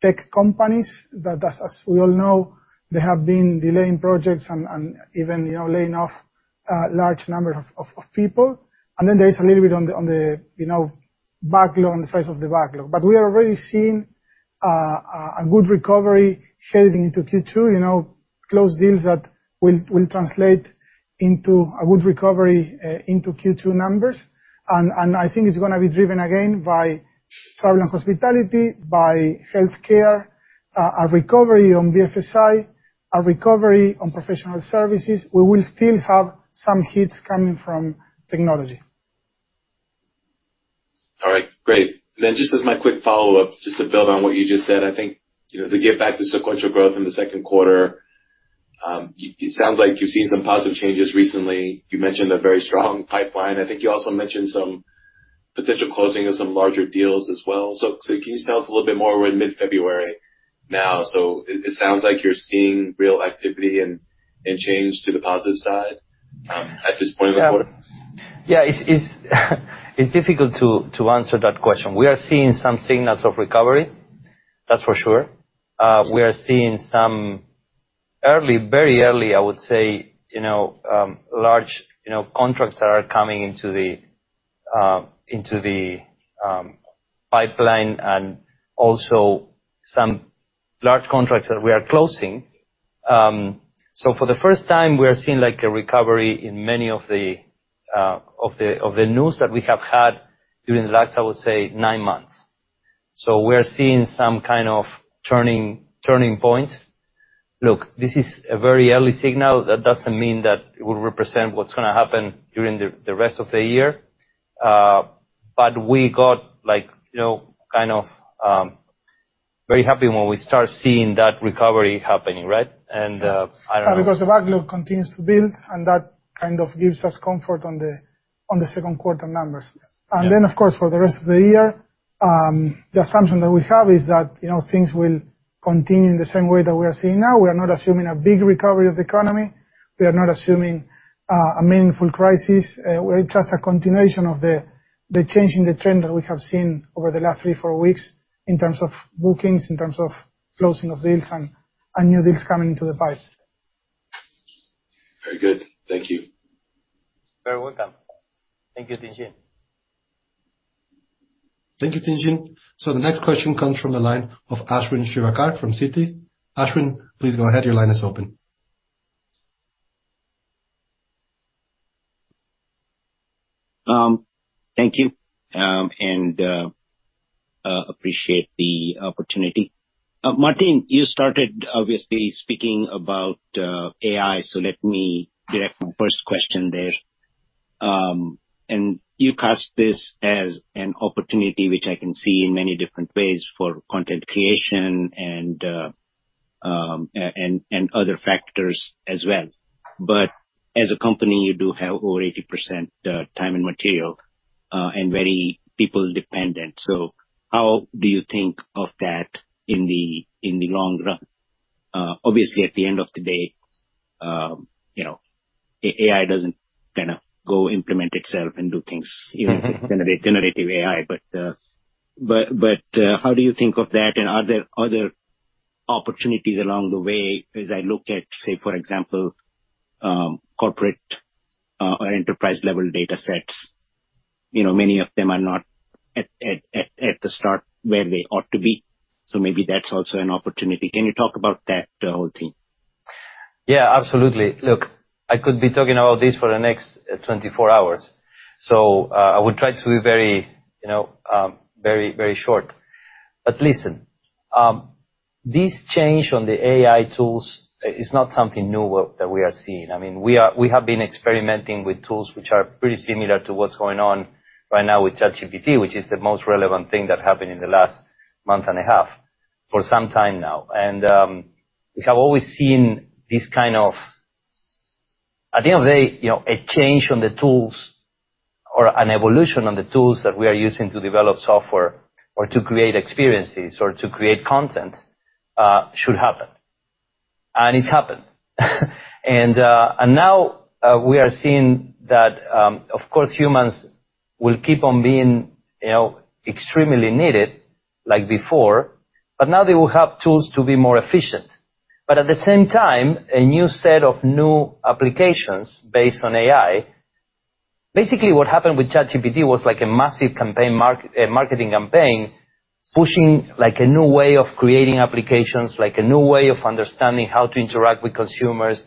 tech companies that as we all know, they have been delaying projects and even, you know, laying off a large number of people. There is a little bit on the, you know, backlog, on the size of the backlog. We are already seeing a good recovery shading into Q2, you know, close deals that will translate into a good recovery into Q2 numbers. I think it's gonna be driven again by travel and hospitality, by healthcare, a recovery on BFSI, a recovery on professional services. We will still have some hits coming from technology. All right. Great. Just as my quick follow-up, just to build on what you just said, I think, you know, to get back to sequential growth in the second quarter. It sounds like you've seen some positive changes recently. You mentioned a very strong pipeline. I think you also mentioned some potential closing of some larger deals as well. Can you tell us a little bit more? We're in mid-February now, it sounds like you're seeing real activity and change to the positive side at this point in the quarter. Yeah. It's difficult to answer that question. We are seeing some signals of recovery. That's for sure. We are seeing some early, very early, I would say, you know, large, you know, contracts that are coming into the pipeline and also some large contracts that we are closing. For the first time, we are seeing like a recovery in many of the news that we have had during the last, I would say, nine months. We're seeing some kind of turning point. Look, this is a very early signal. That doesn't mean that it will represent what's gonna happen during the rest of the year. We got like, you know, kind of very happy when we start seeing that recovery happening, right? I don't know. Because the backlog continues to build, and that kind of gives us comfort on the second quarter numbers. Yes. Of course, for the rest of the year, the assumption that we have is that, you know, things will continue in the same way that we are seeing now. We are not assuming a big recovery of the economy. We are not assuming a meaningful crisis. We're just a continuation of the change in the trend that we have seen over the last three, four weeks in terms of bookings, in terms of closing of deals and new deals coming into the pipe. Very good. Thank you. You're welcome. Thank you, Tien-Tsin. Thank you, Tien-Tsin Huang. The next question comes from the line of Ashwin Shirvaikar from Citi. Ashwin, please go ahead. Your line is open. Thank you, and appreciate the opportunity. Martín, you started obviously speaking about AI, so let me direct my first question there. You cast this as an opportunity which I can see in many different ways for content creation and other factors as well. As a company, you do have over 80% time and material and very people dependent. How do you think of that in the long run? Obviously, at the end of the day, you know, AI doesn't kinda go implement itself and do things. Even with generative AI. How do you think of that? Are there other opportunities along the way as I look at, say, for example, corporate or enterprise level data sets? You know, many of them are not at the start where they ought to be. Maybe that's also an opportunity. Can you talk about that whole thing? Yeah, absolutely. Look, I could be talking about this for the next 24 hours. I will try to be very, you know, short. Listen, this change on the AI tools is not something new that we are seeing. I mean, we have been experimenting with tools which are pretty similar to what's going on right now with ChatGPT, which is the most relevant thing that happened in the last month and a half, for some time now. We have always seen this kind of... At the end of the day, you know, a change on the tools or an evolution on the tools that we are using to develop software or to create experiences or to create content, should happen. It happened. Now we are seeing that, of course, humans will keep on being, you know, extremely needed like before, but now they will have tools to be more efficient. At the same time, a new set of new applications based on AI. Basically, what happened with ChatGPT was like a massive campaign marketing campaign pushing like a new way of creating applications, like a new way of understanding how to interact with consumers,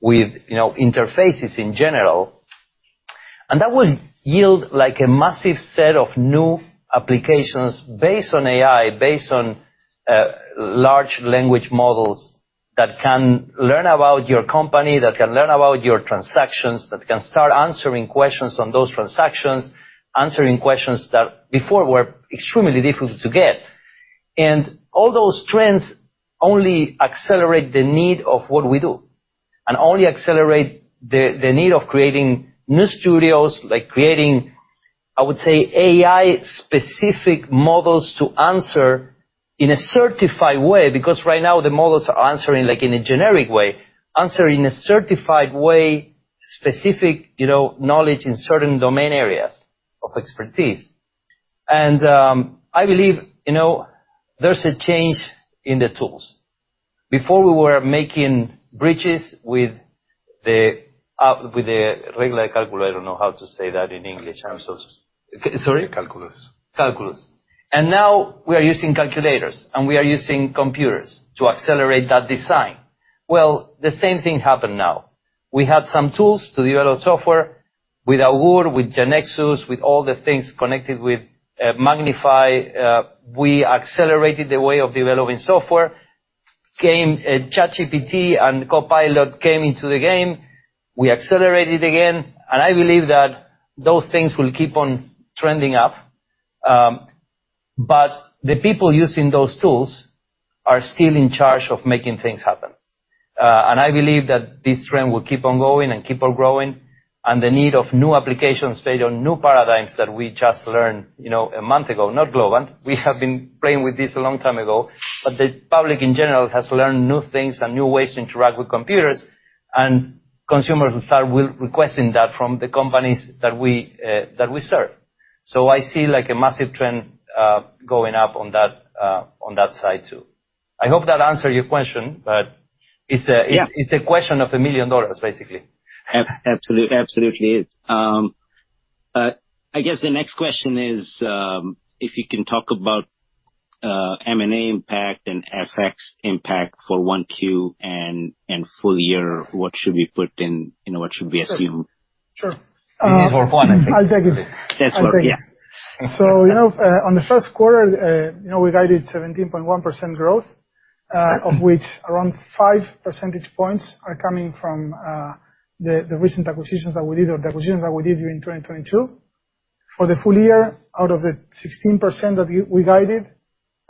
with, you know, interfaces in general. That will yield like a massive set of new applications based on AI, based on large language models that can learn about your company, that can learn about your transactions, that can start answering questions on those transactions, answering questions that before were extremely difficult to get. All those trends only accelerate the need of what we do and only accelerate the need of creating new studios, like creating, I would say, AI specific models to answer in a certified way. Because right now the models are answering like in a generic way. Answer in a certified way, specific, you know, knowledge in certain domain areas of expertise. I believe, you know, there's a change in the tools. Before we were making bridges with the regular calculator. I don't know how to say that in English. Calculus. Sorry? Calculus. Calculus. Now we are using calculators, and we are using computers to accelerate that design. Well, the same thing happened now. We had some tools to develop software with Augoor, with GeneXus, with all the things connected with MagnifAI. We accelerated the way of developing software. ChatGPT and Copilot came into the game. We accelerated again. I believe that those things will keep on trending up. The people using those tools are still in charge of making things happen. I believe that this trend will keep on going and keep on growing, and the need of new applications based on new paradigms that we just learned, you know, a month ago, not Globant. We have been playing with this a long time ago. The public in general has learned new things and new ways to interact with computers. Consumers will start requesting that from the companies that we that we serve. I see, like, a massive trend going up on that on that side too. I hope that answered your question, but it's. Yeah. It's a question of $1 million, basically. Absolutely, absolutely is. I guess the next question is, if you can talk about M&A impact and FX impact for 1Q and full year, what should we put in, you know, what should be assumed? Sure. This is for Juan, I think. I'll take it. That's right. Yeah. I'll take it. You know, on the first quarter, you know, we guided 17.1% growth, of which around 5 percentage points are coming from the recent acquisitions that we did or the acquisitions that we did during 2022. For the full year, out of the 16% that we guided,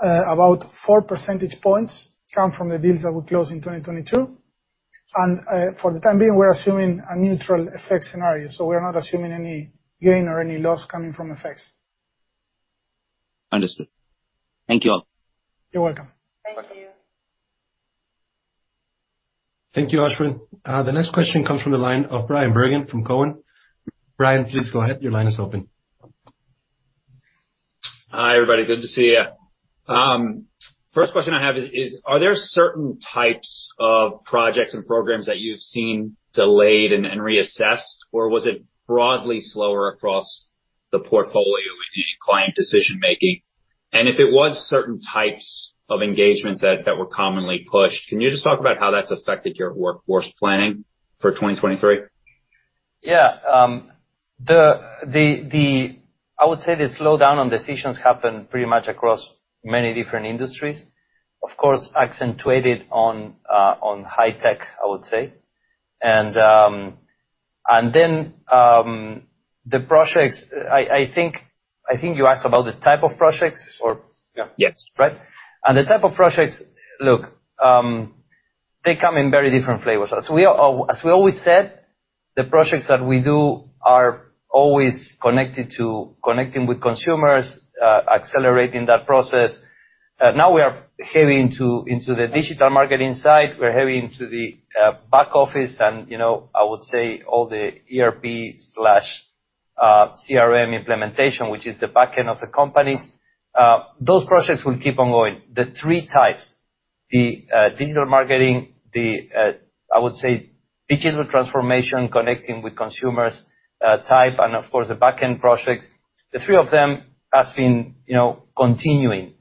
about 4 percentage points come from the deals that we closed in 2022. For the time being, we're assuming a neutral effect scenario, so we're not assuming any gain or any loss coming from effects. Understood. Thank you all. You're welcome. Welcome. Thank you. Thank you, Ashwin. The next question comes from the line of Bryan Bergin from Cowen. Bryan, please go ahead. Your line is open. Hi, everybody. Good to see you. First question I have is, are there certain types of projects and programs that you've seen delayed and reassessed, or was it broadly slower across the portfolio in any client decision-making? If it was certain types of engagements that were commonly pushed, can you just talk about how that's affected your workforce planning for 2023? Yeah. The slowdown on decisions happened pretty much across many different industries. Of course, accentuated on high tech, I would say. The projects, I think you asked about the type projects or- Yeah. Yes. Right. The type of projects, look, they come in very different flavors. As we always said, the projects that we do are always connected to connecting with consumers, accelerating that process. Now we are heavy into the digital marketing side. We're heavy into the back office and, you know, I would say all the ERP/CRM implementation, which is the back end of the companies. Those projects will keep on going. The three types, the digital marketing, the, I would say digital transformation, connecting with consumers, type, and of course, the back-end projects. The three of them has been, you know, continuing.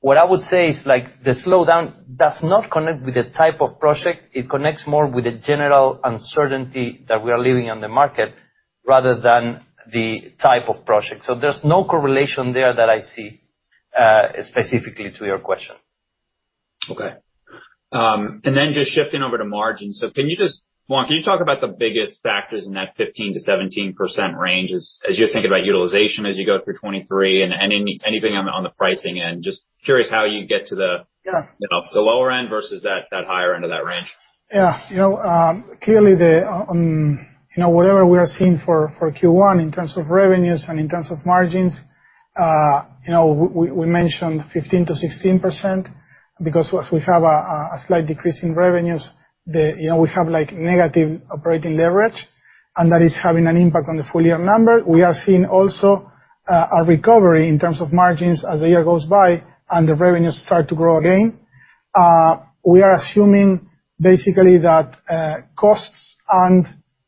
What I would say is, like, the slowdown does not connect with the type of project. It connects more with the general uncertainty that we are living in the market rather than the type of project. There's no correlation there that I see specifically to your question. Okay. Just shifting over to margins. Juan, can you talk about the biggest factors in that 15%-17% range as you're thinking about utilization as you go through 2023 and anything on the pricing end? Just curious how you get to the. Yeah. You know, the lower end versus that higher end of that range. You know, clearly the, you know, whatever we are seeing for Q1 in terms of revenues and in terms of margins, you know, we mentioned 15%-16% because once we have a slight decrease in revenues, the, you know, we have, like, negative operating leverage, and that is having an impact on the full year number. We are seeing also a recovery in terms of margins as the year goes by and the revenues start to grow again. We are assuming basically that costs and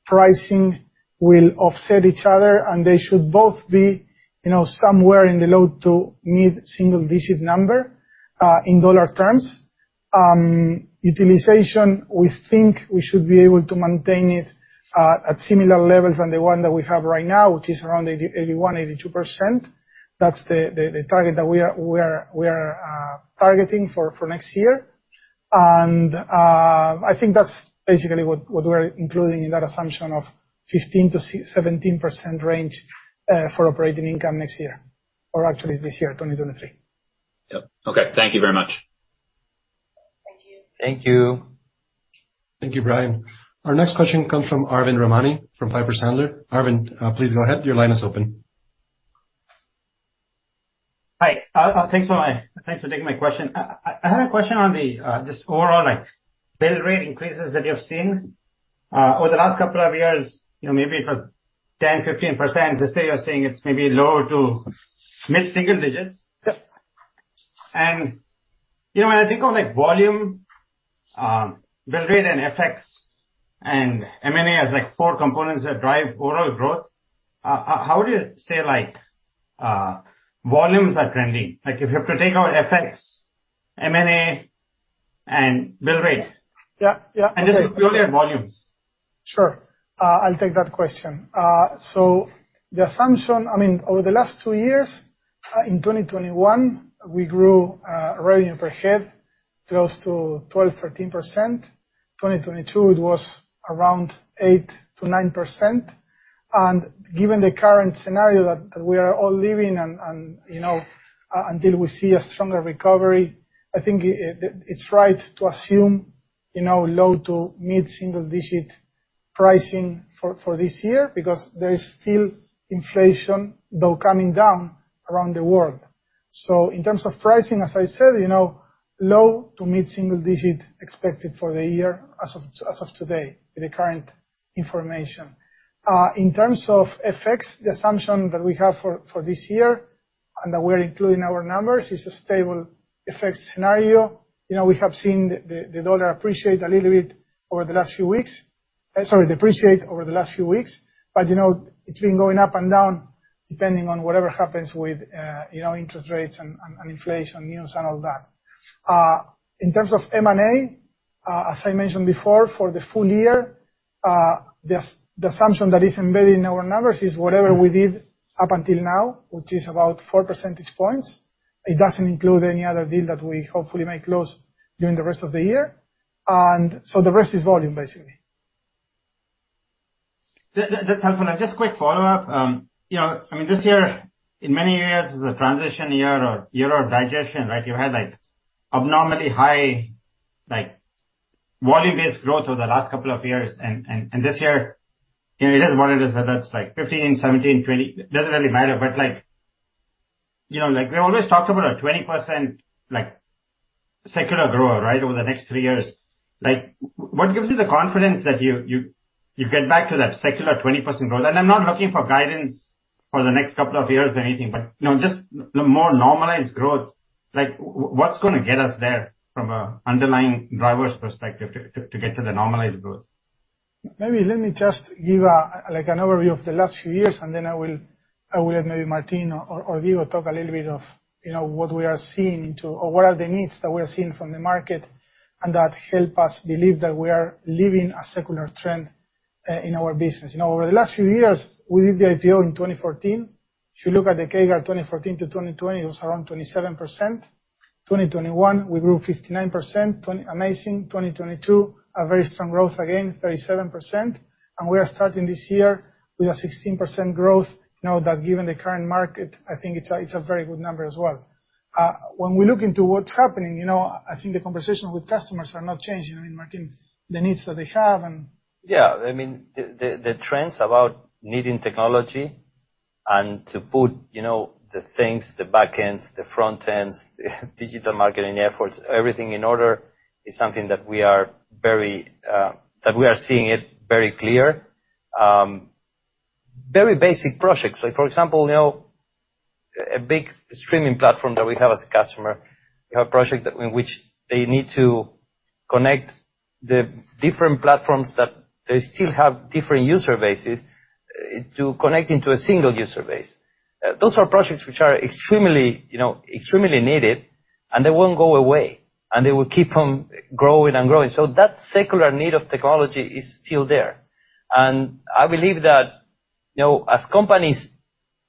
pricing will offset each other, and they should both be, you know, somewhere in the low to mid-single-digit number in dollar terms. Utilization, we think we should be able to maintain it at similar levels than the one that we have right now, which is around 80%-81%, 82%. That's the target that we are targeting for next year. I think that's basically what we're including in that assumption of 15%-17% range for operating income next year, or actually this year, 2023. Yep. Okay. Thank you very much. Thank you. Thank you. Thank you, Bryan. Our next question comes from Arvind Ramani, from Piper Sandler. Arvind, please go ahead. Your line is open. Hi. Thanks for taking my question. I had a question on the just overall, like, bill rate increases that you've seen over the last couple of years, you know, maybe it was 10%-15%. Let's say you're saying it's maybe lower to mid-single digits. Yeah. You know, when I think of, like, volume, bill rate, and FX and M&A as, like, four components that drive overall growth, how do you say, like, volumes are trending? If you have to take out FX, M&A, and bill rate? Yeah. Yeah. Just look purely at volumes. Sure. I'll take that question. The assumption, I mean, over the last two years, in 2021, we grew revenue per head close to 12%-13%. 2022 it was around 8%-9%. Given the current scenario that we are all living and, you know, until we see a stronger recovery, I think it's right to assume, you know, low to mid-single digit pricing for this year because there is still inflation, though coming down around the world. In terms of pricing, as I said, you know, low to mid-single digit expected for the year as of today with the current information. In terms of FX, the assumption that we have for this year and that we're including our numbers is a stable FX scenario. You know, we have seen the dollar appreciate a little bit over the last few weeks. Sorry, depreciate over the last few weeks. You know, it's been going up and down depending on whatever happens with, you know, interest rates and inflation news and all that. In terms of M&A, as I mentioned before, for the full year, the assumption that is embedded in our numbers is whatever we did up until now, which is about 4 percentage points. It doesn't include any other deal that we hopefully may close during the rest of the year. The rest is volume, basically. That's helpful. Just quick follow-up. You know, I mean, this year in many years is a transition year or year of digestion, right? You had like abnormally high like volume-based growth over the last couple of years. This year, you know, it doesn't matter whether that's like 15%, 17%, 20%. It doesn't really matter. Like, you know, like we always talk about a 20% like secular growth, right? Over the next three years. Like what gives you the confidence that you get back to that secular 20% growth? I'm not looking for guidance for the next couple of years or anything, but, you know, just the more normalized growth. Like what's gonna get us there from a underlying driver's perspective to get to the normalized growth? Maybe let me just give a like an overview of the last few years. Then I will have maybe Martín or Diego talk a little bit of, you know, what we are seeing into or what are the needs that we are seeing from the market and that help us believe that we are living a secular trend in our business. You know, over the last few years, we did the IPO in 2014. If you look at the CAGR, 2014-2020, it was around 27%. 2021, we grew 59%. Amazing. 2022, a very strong growth again, 37%. We are starting this year with a 16% growth. Now that given the current market, I think it's a very good number as well. When we look into what's happening, you know, I think the conversation with customers are not changing. I mean, Martín, the needs that they have. Yeah, I mean, the trends about needing technology and to put, you know, the things, the back ends, the front ends, the digital marketing efforts, everything in order is something that we are very, that we are seeing it very clear. Very basic projects like for example now a big streaming platform that we have as a customer. We have a project that in which they need to connect the different platforms that they still have different user bases to connect into a single user base. Those are projects which are extremely, you know, extremely needed and they won't go away, and they will keep on growing and growing. That secular need of technology is still there. I believe that, you know, as companies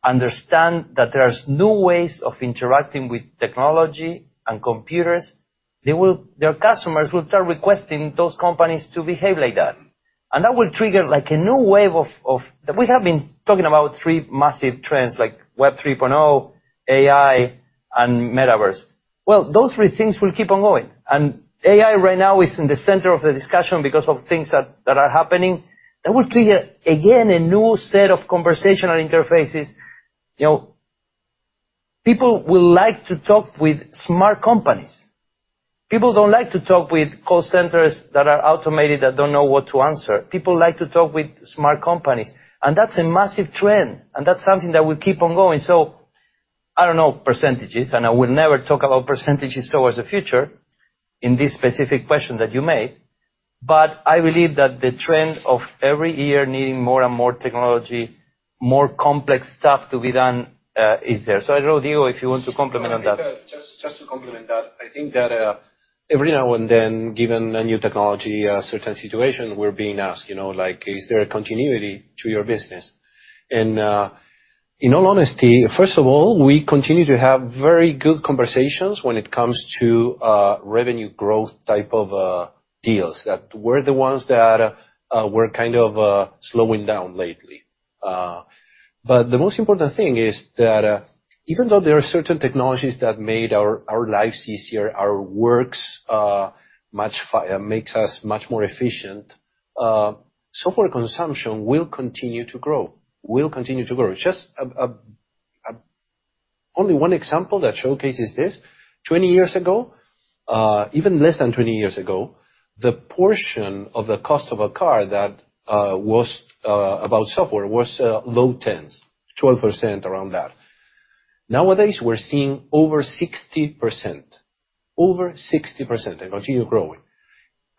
understand that there's new ways of interacting with technology and computers, their customers will start requesting those companies to behave like that. That will trigger like a new wave of... We have been talking about three massive trends like Web 3.0, AI, and Metaverse. Well, those three things will keep on going. AI right now is in the center of the discussion because of things that are happening. That will trigger, again, a new set of conversational interfaces. You know, people will like to talk with smart companies. People don't like to talk with call centers that are automated, that don't know what to answer. People like to talk with smart companies, and that's a massive trend, and that's something that will keep on going. I don't know percentages, and I will never talk about percentages towards the future in this specific question that you made. I believe that the trend of every year needing more and more technology, more complex stuff to be done, is there. I don't know, Diego, if you want to complement on that. I think, just to complement that, I think that, every now and then, given a new technology, a certain situation, we're being asked, you know, like, is there a continuity to your business? In all honesty, first of all, we continue to have very good conversations when it comes to revenue growth type of deals, that we're the ones that, were kind of, slowing down lately. The most important thing is that, even though there are certain technologies that made our lives easier, our works, makes us much more efficient, software consumption will continue to grow. Will continue to grow. Just a only one example that showcases this. 20 years ago, even less than 20 years ago, the portion of the cost of a car that was about software was low tens, 12% around that. Nowadays, we're seeing over 60%. Over 60% and continue growing.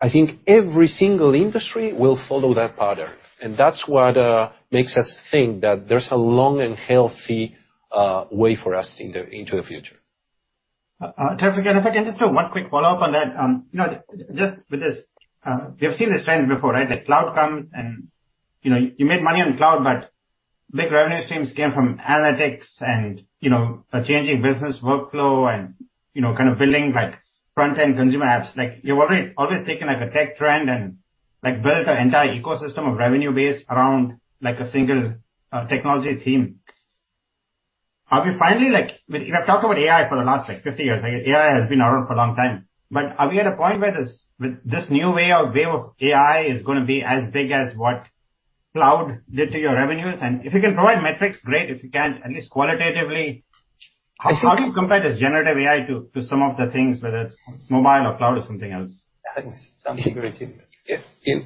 I think every single industry will follow that pattern, and that's what makes us think that there's a long and healthy way for us into the future. Thank you. Just one quick follow-up on that. you know, just with this, we have seen this trend before, right? The cloud comes and, you know, you made money on cloud. Big revenue streams came from analytics and, you know, a changing business workflow and, you know, kind of building like front-end consumer apps. Like, you're always taken like a tech trend and like built an entire ecosystem of revenue base around like a single technology theme. Are we finally like, I mean, you have talked about AI for the last like 50 years. AI has been around for a long time. Are we at a point where this new way of wave of AI is gonna be as big as what cloud did to your revenues? If you can provide metrics, great. If you can't, at least qualitatively, how do you compare this generative AI to some of the things, whether it's mobile or cloud or something else? I think some security.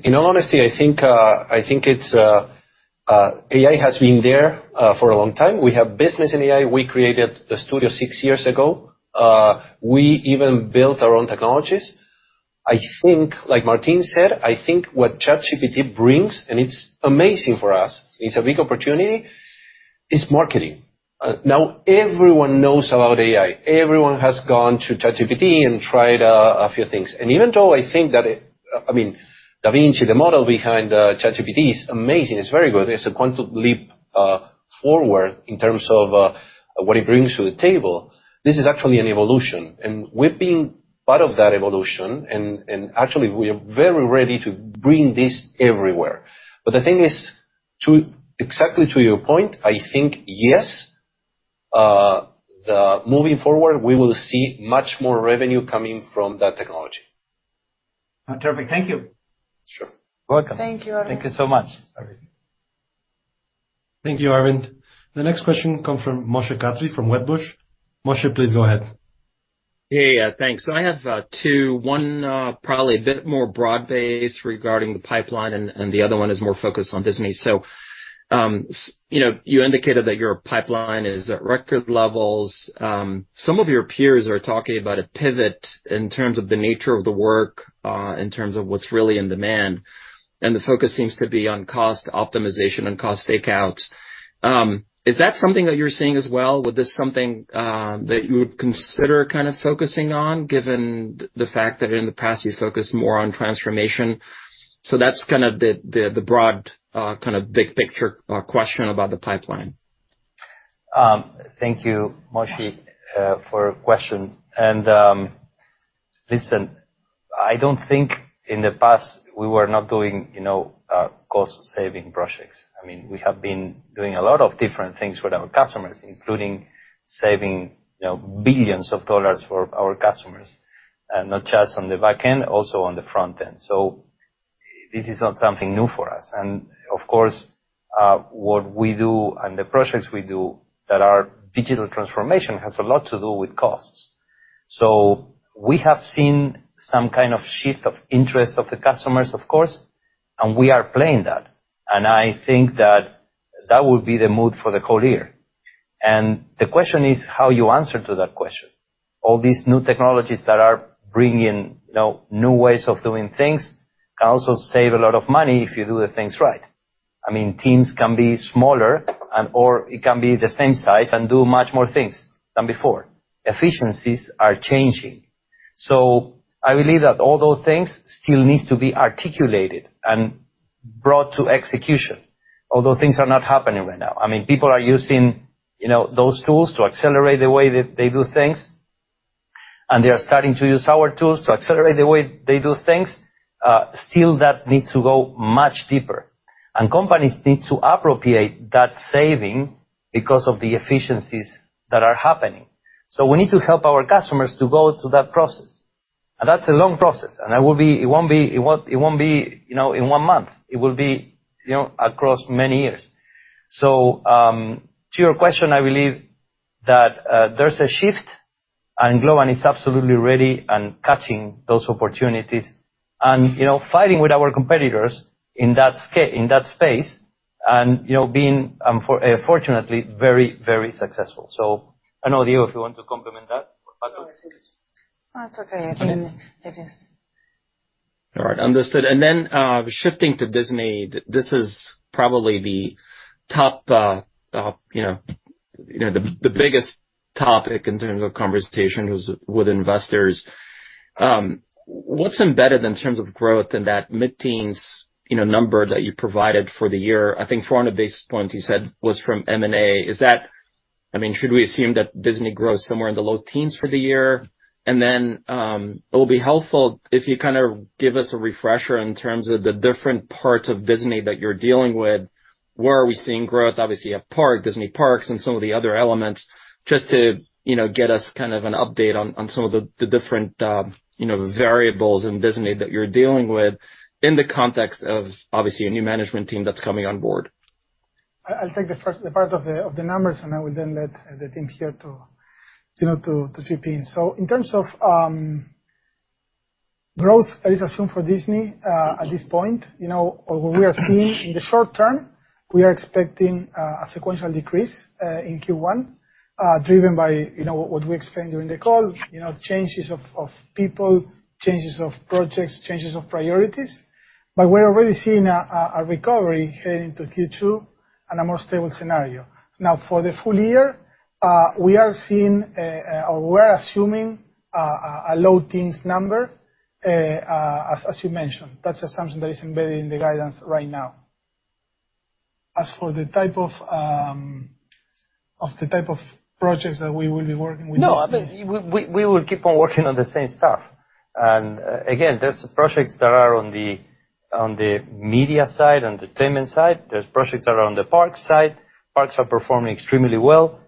In all honesty, I think, I think it's, AI has been there for a long time. We have business in AI. We created a studio six years ago. We even built our own technologies. I think, like Martín said, I think what ChatGPT brings, and it's amazing for us, it's a big opportunity, is marketing. Now everyone knows about AI. Everyone has gone to ChatGPT and tried a few things. Even though I think that I mean, DaVinci, the model behind ChatGPT is amazing. It's very good. It's a quantum leap forward in terms of what it brings to the table. This is actually an evolution, and we've been part of that evolution. Actually, we are very ready to bring this everywhere. The thing is, exactly to your point, I think, yes, the moving forward, we will see much more revenue coming from that technology. Terrific. Thank you. Sure. Welcome. Thank you, Arvind. Thank you so much, Arvind. Thank you, Arvind. The next question come from Moshe Katri from Wedbush. Moshe, please go ahead. Hey. Yeah, thanks. I have two. One, probably a bit more broad-based regarding the pipeline, and the other one is more focused on Disney. You know, you indicated that your pipeline is at record levels. Some of your peers are talking about a pivot in terms of the nature of the work, in terms of what's really in demand, and the focus seems to be on cost optimization and cost takeouts. Is that something that you're seeing as well? Would this something that you would consider kind of focusing on given the fact that in the past you focused more on transformation? That's kind of the broad, big picture, question about the pipeline. Thank you, Moshe, for your question. Listen, I don't think in the past we were not doing, you know, cost saving projects. I mean, we have been doing a lot of different things with our customers, including saving, you know, $ billions for our customers, and not just on the back end, also on the front end. This is not something new for us. Of course, what we do and the projects we do that are digital transformation has a lot to do with costs. We have seen some kind of shift of interest of the customers, of course, and we are playing that. I think that that will be the mood for the whole year. The question is how you answer to that question. All these new technologies that are bringing, you know, new ways of doing things can also save a lot of money if you do the things right. I mean, teams can be smaller and or it can be the same size and do much more things than before. Efficiencies are changing. I believe that all those things still needs to be articulated and brought to execution. Things are not happening right now. I mean, people are using, you know, those tools to accelerate the way that they do things, and they are starting to use our tools to accelerate the way they do things. Still that needs to go much deeper. Companies need to appropriate that saving because of the efficiencies that are happening. We need to help our customers to go through that process. That's a long process. It will be... It won't be, you know, in one month. It will be, you know, across many years. To your question, I believe that there's a shift, and Globant is absolutely ready and catching those opportunities and, you know, fighting with our competitors in that space and, you know, being fortunately very, very successful. I don't know, Leo, if you want to complement that. No, it's okay. All right. Understood. Then, shifting to Disney. This is probably the top, you know, the biggest topic in terms of conversations with investors. What's embedded in terms of growth in that mid-teens, you know, number that you provided for the year? I think 400 basis points you said was from M&A. Is that, I mean, should we assume that Disney grows somewhere in the low teens for the year? Then, it will be helpful if you kinda give us a refresher in terms of the different parts of Disney that you're dealing with. Where are we seeing growth? Obviously, you have Paack, Disney Parks and some of the other elements. Just to, you know, get us kind of an update on some of the different, you know, variables in Disney that you're dealing with in the context of, obviously, a new management team that's coming on board. I'll take the first part of the numbers, and I will then let the team here to, you know, to chip in. In terms of growth that is assumed for Disney at this point, you know, or what we are seeing in the short term, we are expecting a sequential decrease in Q1 driven by, you know, what we explained during the call. You know, changes of people, changes of projects, changes of priorities. We're already seeing a recovery heading to Q2 and a more stable scenario. For the full year, we are seeing or we're assuming a low teens number. As you mentioned, that's assumption that is embedded in the guidance right now. As for the type of the type of projects that we will be working with. No, I mean, we will keep on working on the same stuff. Again, there's projects that are on the media side, entertainment side. There's projects that are on the parks side. Parks are performing extremely well.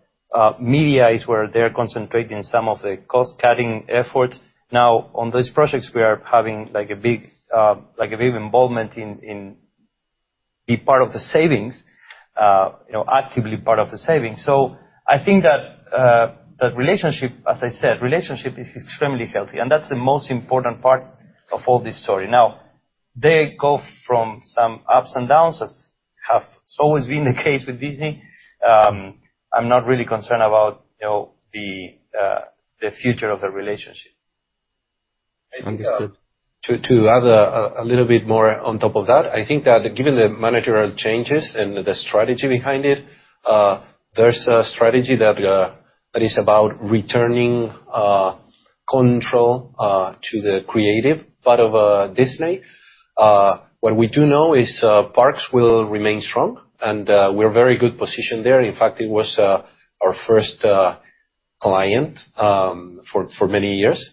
Media is where they're concentrating some of the cost-cutting efforts. On those projects, we are having like a big involvement. Be part of the savings, you know, actively part of the savings. I think that relationship, as I said, relationship is extremely healthy, that's the most important part of all this story. They go from some ups and downs, as have always been the case with Disney. I'm not really concerned about, you know, the future of the relationship. Understood. To add a little bit more on top of that, I think that given the managerial changes and the strategy behind it, there's a strategy that is about returning control to the creative part of Disney. What we do know is parks will remain strong, and we're very good positioned there. In fact, it was our first client for many years.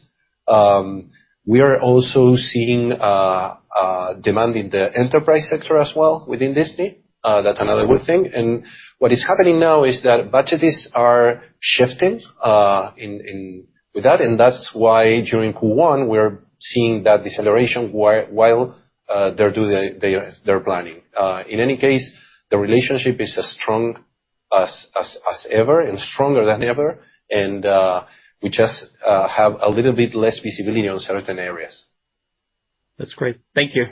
We are also seeing demand in the enterprise sector as well within Disney. That's another good thing. What is happening now is that budgets are shifting in with that, and that's why during Q1, we're seeing that deceleration while they're doing their planning. In any case, the relationship is as strong as ever and stronger than ever. We just have a little bit less visibility on certain areas. That's great. Thank you.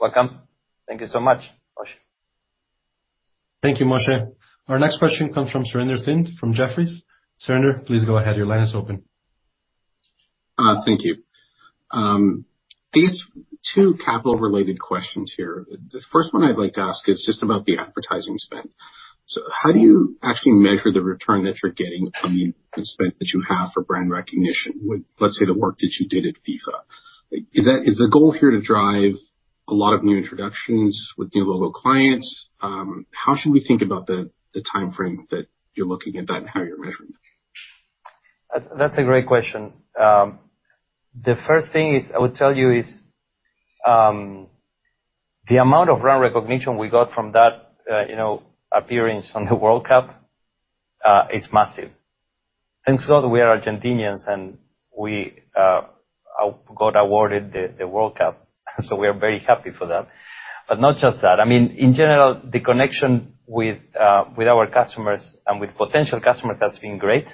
Welcome. Thank you so much, Moshe. Thank you, Moshe. Our next question comes from Surinder Thind from Jefferies. Surinder, please go ahead. Your line is open. Thank you. These two capital related questions here. The first one I'd like to ask is just about the advertising spend. How do you actually measure the return that you're getting from the spend that you have for brand recognition with, let's say, the work that you did at FIFA? Is the goal here to drive a lot of new introductions with new logo clients? How should we think about the timeframe that you're looking at that and how you're measuring? That's a great question. The first thing is I would tell you is, the amount of brand recognition we got from that, you know, appearance on the World Cup, is massive. Thank God, we are Argentinians, and we got awarded the World Cup, so we are very happy for that. Not just that. I mean, in general, the connection with our customers and with potential customers has been great.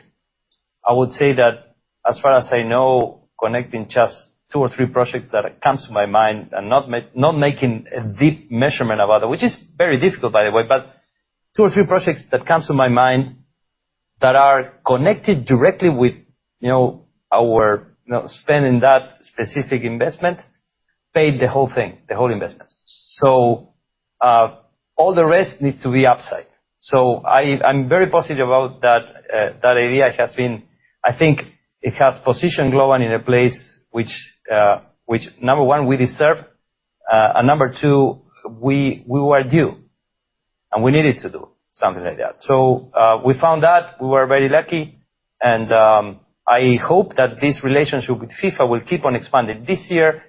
I would say that as far as I know, connecting just two or three projects that comes to my mind and not making a deep measurement of other, which is very difficult by the way, but two or three projects that comes to my mind that are connected directly with, you know, our spending that specific investment paid the whole thing, the whole investment. All the rest needs to be upside. I'm very positive about that area. I think it has positioned Globant in a place which, number one, we deserve, and number two, we were due, and we needed to do something like that. We found that. We were very lucky. I hope that this relationship with FIFA will keep on expanding. This year,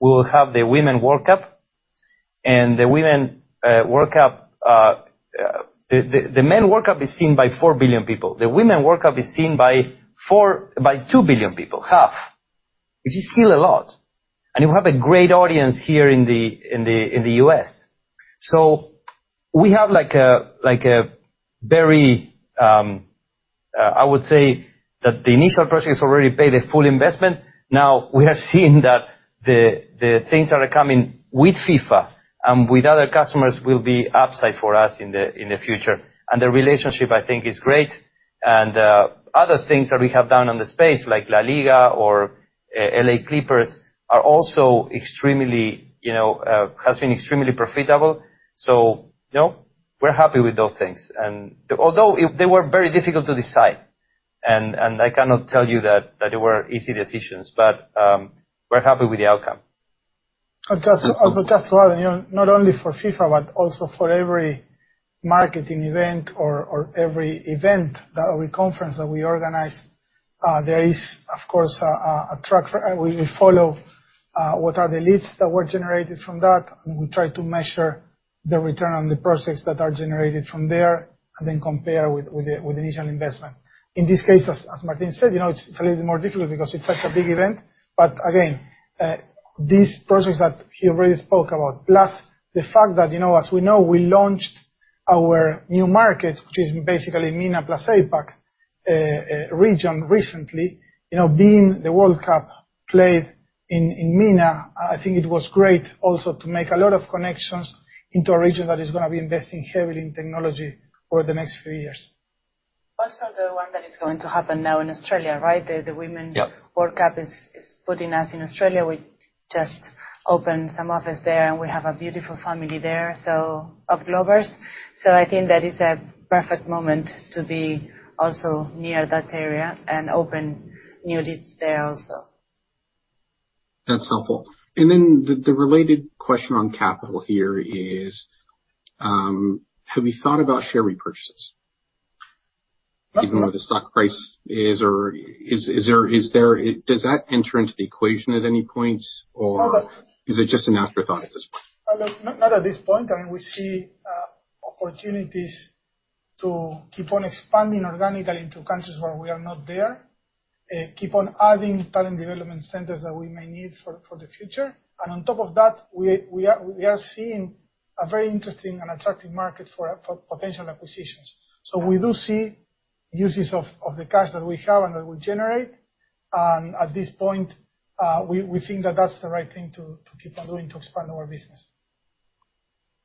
we will have the Women World Cup, and the women World Cup. The men World Cup is seen by 4 billion people. The Women World Cup is seen by 2 billion people, half, which is still a lot. You have a great audience here in the, in the, in the U.S. We have like a very, I would say that the initial project has already paid a full investment. We have seen that the things that are coming with FIFA and with other customers will be upside for us in the future. The relationship, I think, is great. Other things that we have done on the space, like LaLiga or LA Clippers, are also extremely, you know, has been extremely profitable. You know, we're happy with those things. Although they were very difficult to decide and I cannot tell you that they were easy decisions, but we're happy with the outcome. Just to add, you know, not only for FIFA, but also for every marketing event or every event that we conference, that we organize, there is of course, a track for. We will follow what are the leads that were generated from that, and we try to measure the return on the process that are generated from there, and then compare with the initial investment. In this case, as Martín said, you know, it's a little bit more difficult because it's such a big event. Again, these projects that he already spoke about, plus the fact that, you know, as we know, we launched our new market, which is basically MENA plus APAC region recently. You know, being the World Cup played in MENA, I think it was great also to make a lot of connections into a region that is gonna be investing heavily in technology over the next few years. The one that is going to happen now in Australia, right? The women- Yeah. World Cup is putting us in Australia, which- Just opened some office there, and we have a beautiful family there, so of Globers. I think that is a perfect moment to be also near that area and open new deals there also. That's helpful. Then the related question on capital here is, have you thought about share repurchases? That's not- Even though the stock price is there, does that enter into the equation at any point? Not. Is it just an afterthought at this point? Not at this point. I mean, we see opportunities to keep on expanding organically into countries where we are not there, keep on adding talent development centers that we may need for the future. On top of that, we are seeing a very interesting and attractive market for potential acquisitions. We do see uses of the cash that we have and that we generate. At this point, we think that that's the right thing to keep on doing to expand our business.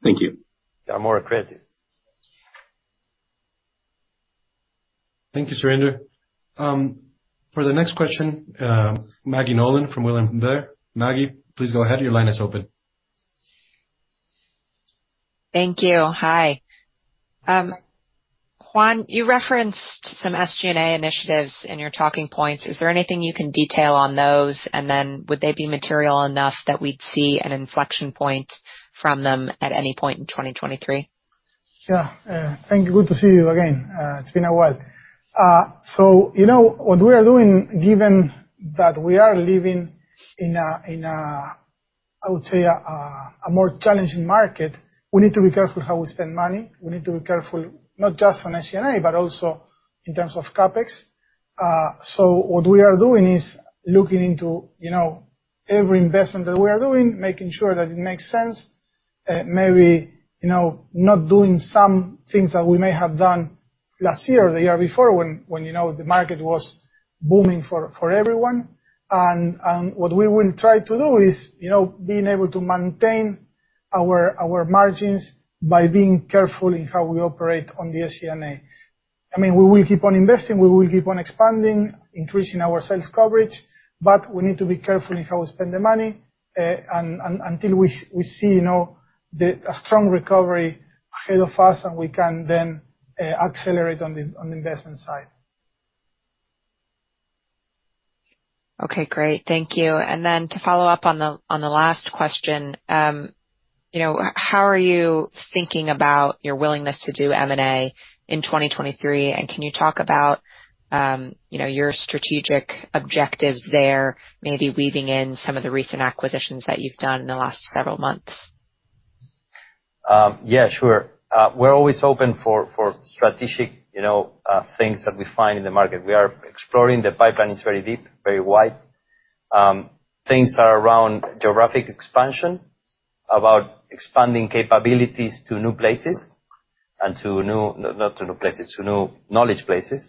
Thank you. Yeah. More accredited. Thank you, Surinder. For the next question, Maggie Nolan from William Blair. Maggie, please go ahead. Your line is open. Thank you. Hi. Juan, you referenced some SG&A initiatives in your talking points. Is there anything you can detail on those? Would they be material enough that we'd see an inflection point from them at any point in 2023? Yeah. Thank you. Good to see you again. It's been a while. You know, what we are doing, given that we are living in a, I would say, a more challenging market. We need to be careful how we spend money. We need to be careful not just on SG&A, but also in terms of CapEx. What we are doing is looking into, you know, every investment that we are doing, making sure that it makes sense. Maybe, you know, not doing some things that we may have done last year or the year before when, you know, the market was booming for everyone. What we will try to do is, you know, being able to maintain our margins by being careful in how we operate on the SG&A. I mean, we will keep on investing, we will keep on expanding, increasing our sales coverage, but we need to be careful in how we spend the money, until we see, you know, a strong recovery ahead of us, and we can then accelerate on the investment side. Okay, great. Thank you. To follow up on the, on the last question, you know, how are you thinking about your willingness to do M&A in 2023? Can you talk about, you know, your strategic objectives there, maybe weaving in some of the recent acquisitions that you've done in the last several months? Yeah, sure. We're always open for strategic, you know, things that we find in the market. We are exploring. The pipeline is very deep, very wide. Things are around geographic expansion, about expanding capabilities to new places and not to new places, to new knowledge places.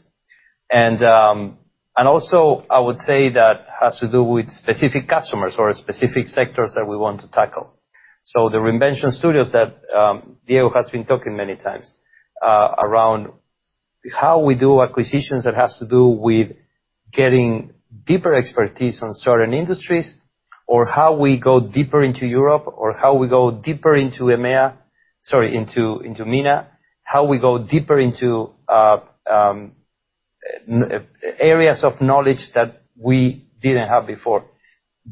Also, I would say that has to do with specific customers or specific sectors that we want to tackle. The reinvention studios that Diego has been talking many times around how we do acquisitions that has to do with getting deeper expertise on certain industries or how we go deeper into Europe or how we go deeper into EMEA, sorry, into MENA, how we go deeper into areas of knowledge that we didn't have before.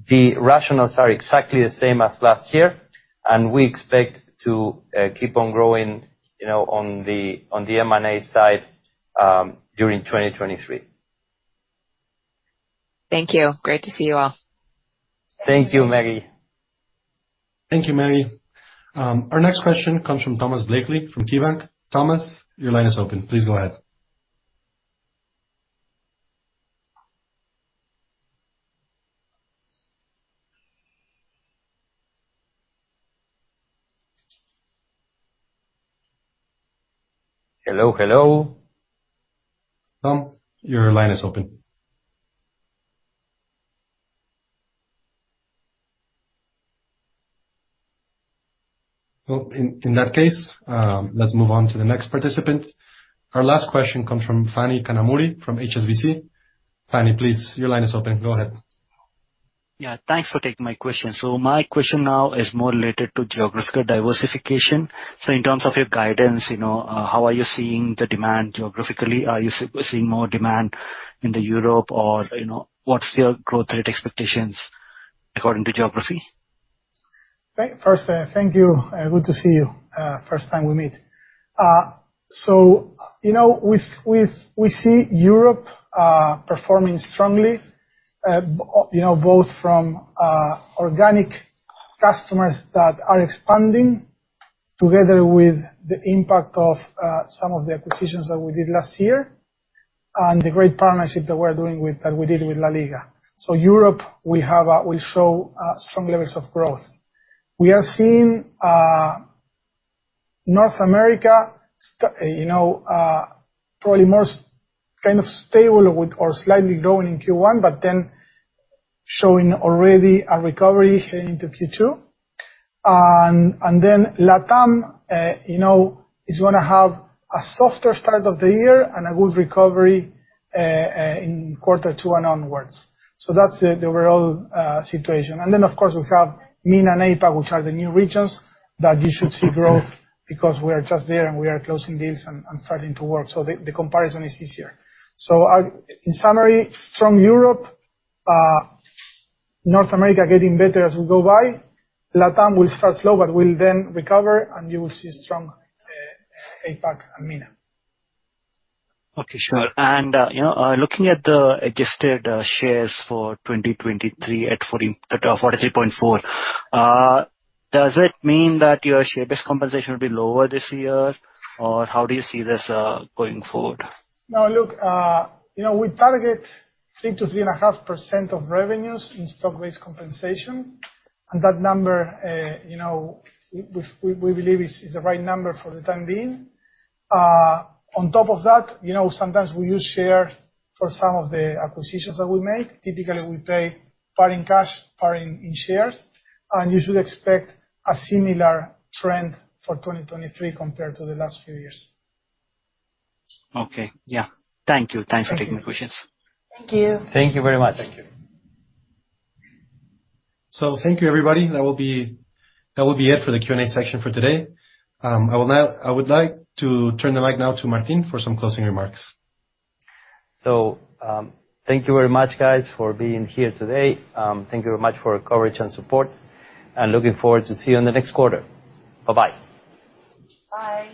The rationales are exactly the same as last year, and we expect to keep on growing, you know, on the, on the M&A side, during 2023. Thank you. Great to see you all. Thank you, Maggie. Thank you, Maggie. Our next question comes from Thomas Blakey from KeyBanc. Thomas, your line is open. Please go ahead. Hello. Hello. Tom, your line is open. Well, in that case, let's move on to the next participant. Our last question comes from Phani Kanumuri from HSBC. Phani, please, your line is open. Go ahead. Yeah, thanks for taking my question. My question now is more related to geographical diversification. In terms of your guidance, you know, how are you seeing the demand geographically? Are you seeing more demand in Europe or, you know, what's your growth rate expectations according to geography? First, thank you. Good to see you. First time we meet. you know, with we see Europe performing strongly, you know, both from organic customers that are expanding together with the impact of some of the acquisitions that we did last year and the great partnership that we're doing with that we did with LaLiga. Europe, we will show strong levels of growth. We are seeing North America you know, probably more kind of stable with or slightly growing in Q1, but then showing already a recovery heading into Q2. Latam, you know, is gonna have a softer start of the year and a good recovery in quarter two and onwards. That's the overall situation. Of course, we have MENA and APAC, which are the new regions that you should see growth because we are just there, and we are closing deals and starting to work. The comparison is easier. In summary, strong Europe, North America getting better as we go by. Latam will start slow but will then recover, and you will see strong APAC and MENA. Okay, sure. You know, looking at the adjusted shares for 2023 at 43.4, does it mean that your share-based compensation will be lower this year, or how do you see this going forward? Look, you know, we target 3%-3.5% of revenues in stock-based compensation, that number, you know, we believe is the right number for the time being. On top of that, you know, sometimes we use shares for some of the acquisitions that we make. Typically, we pay part in cash, part in shares, you should expect a similar trend for 2023 compared to the last few years. Okay. Yeah. Thank you. Thank you. Thanks for taking the questions. Thank you. Thank you very much. Thank you. Thank you, everybody. That will be it for the Q&A section for today. I would like to turn the mic now to Martín for some closing remarks. Thank you very much, guys, for being here today. Thank you very much for your coverage and support, looking forward to see you in the next quarter. Bye-bye. Bye.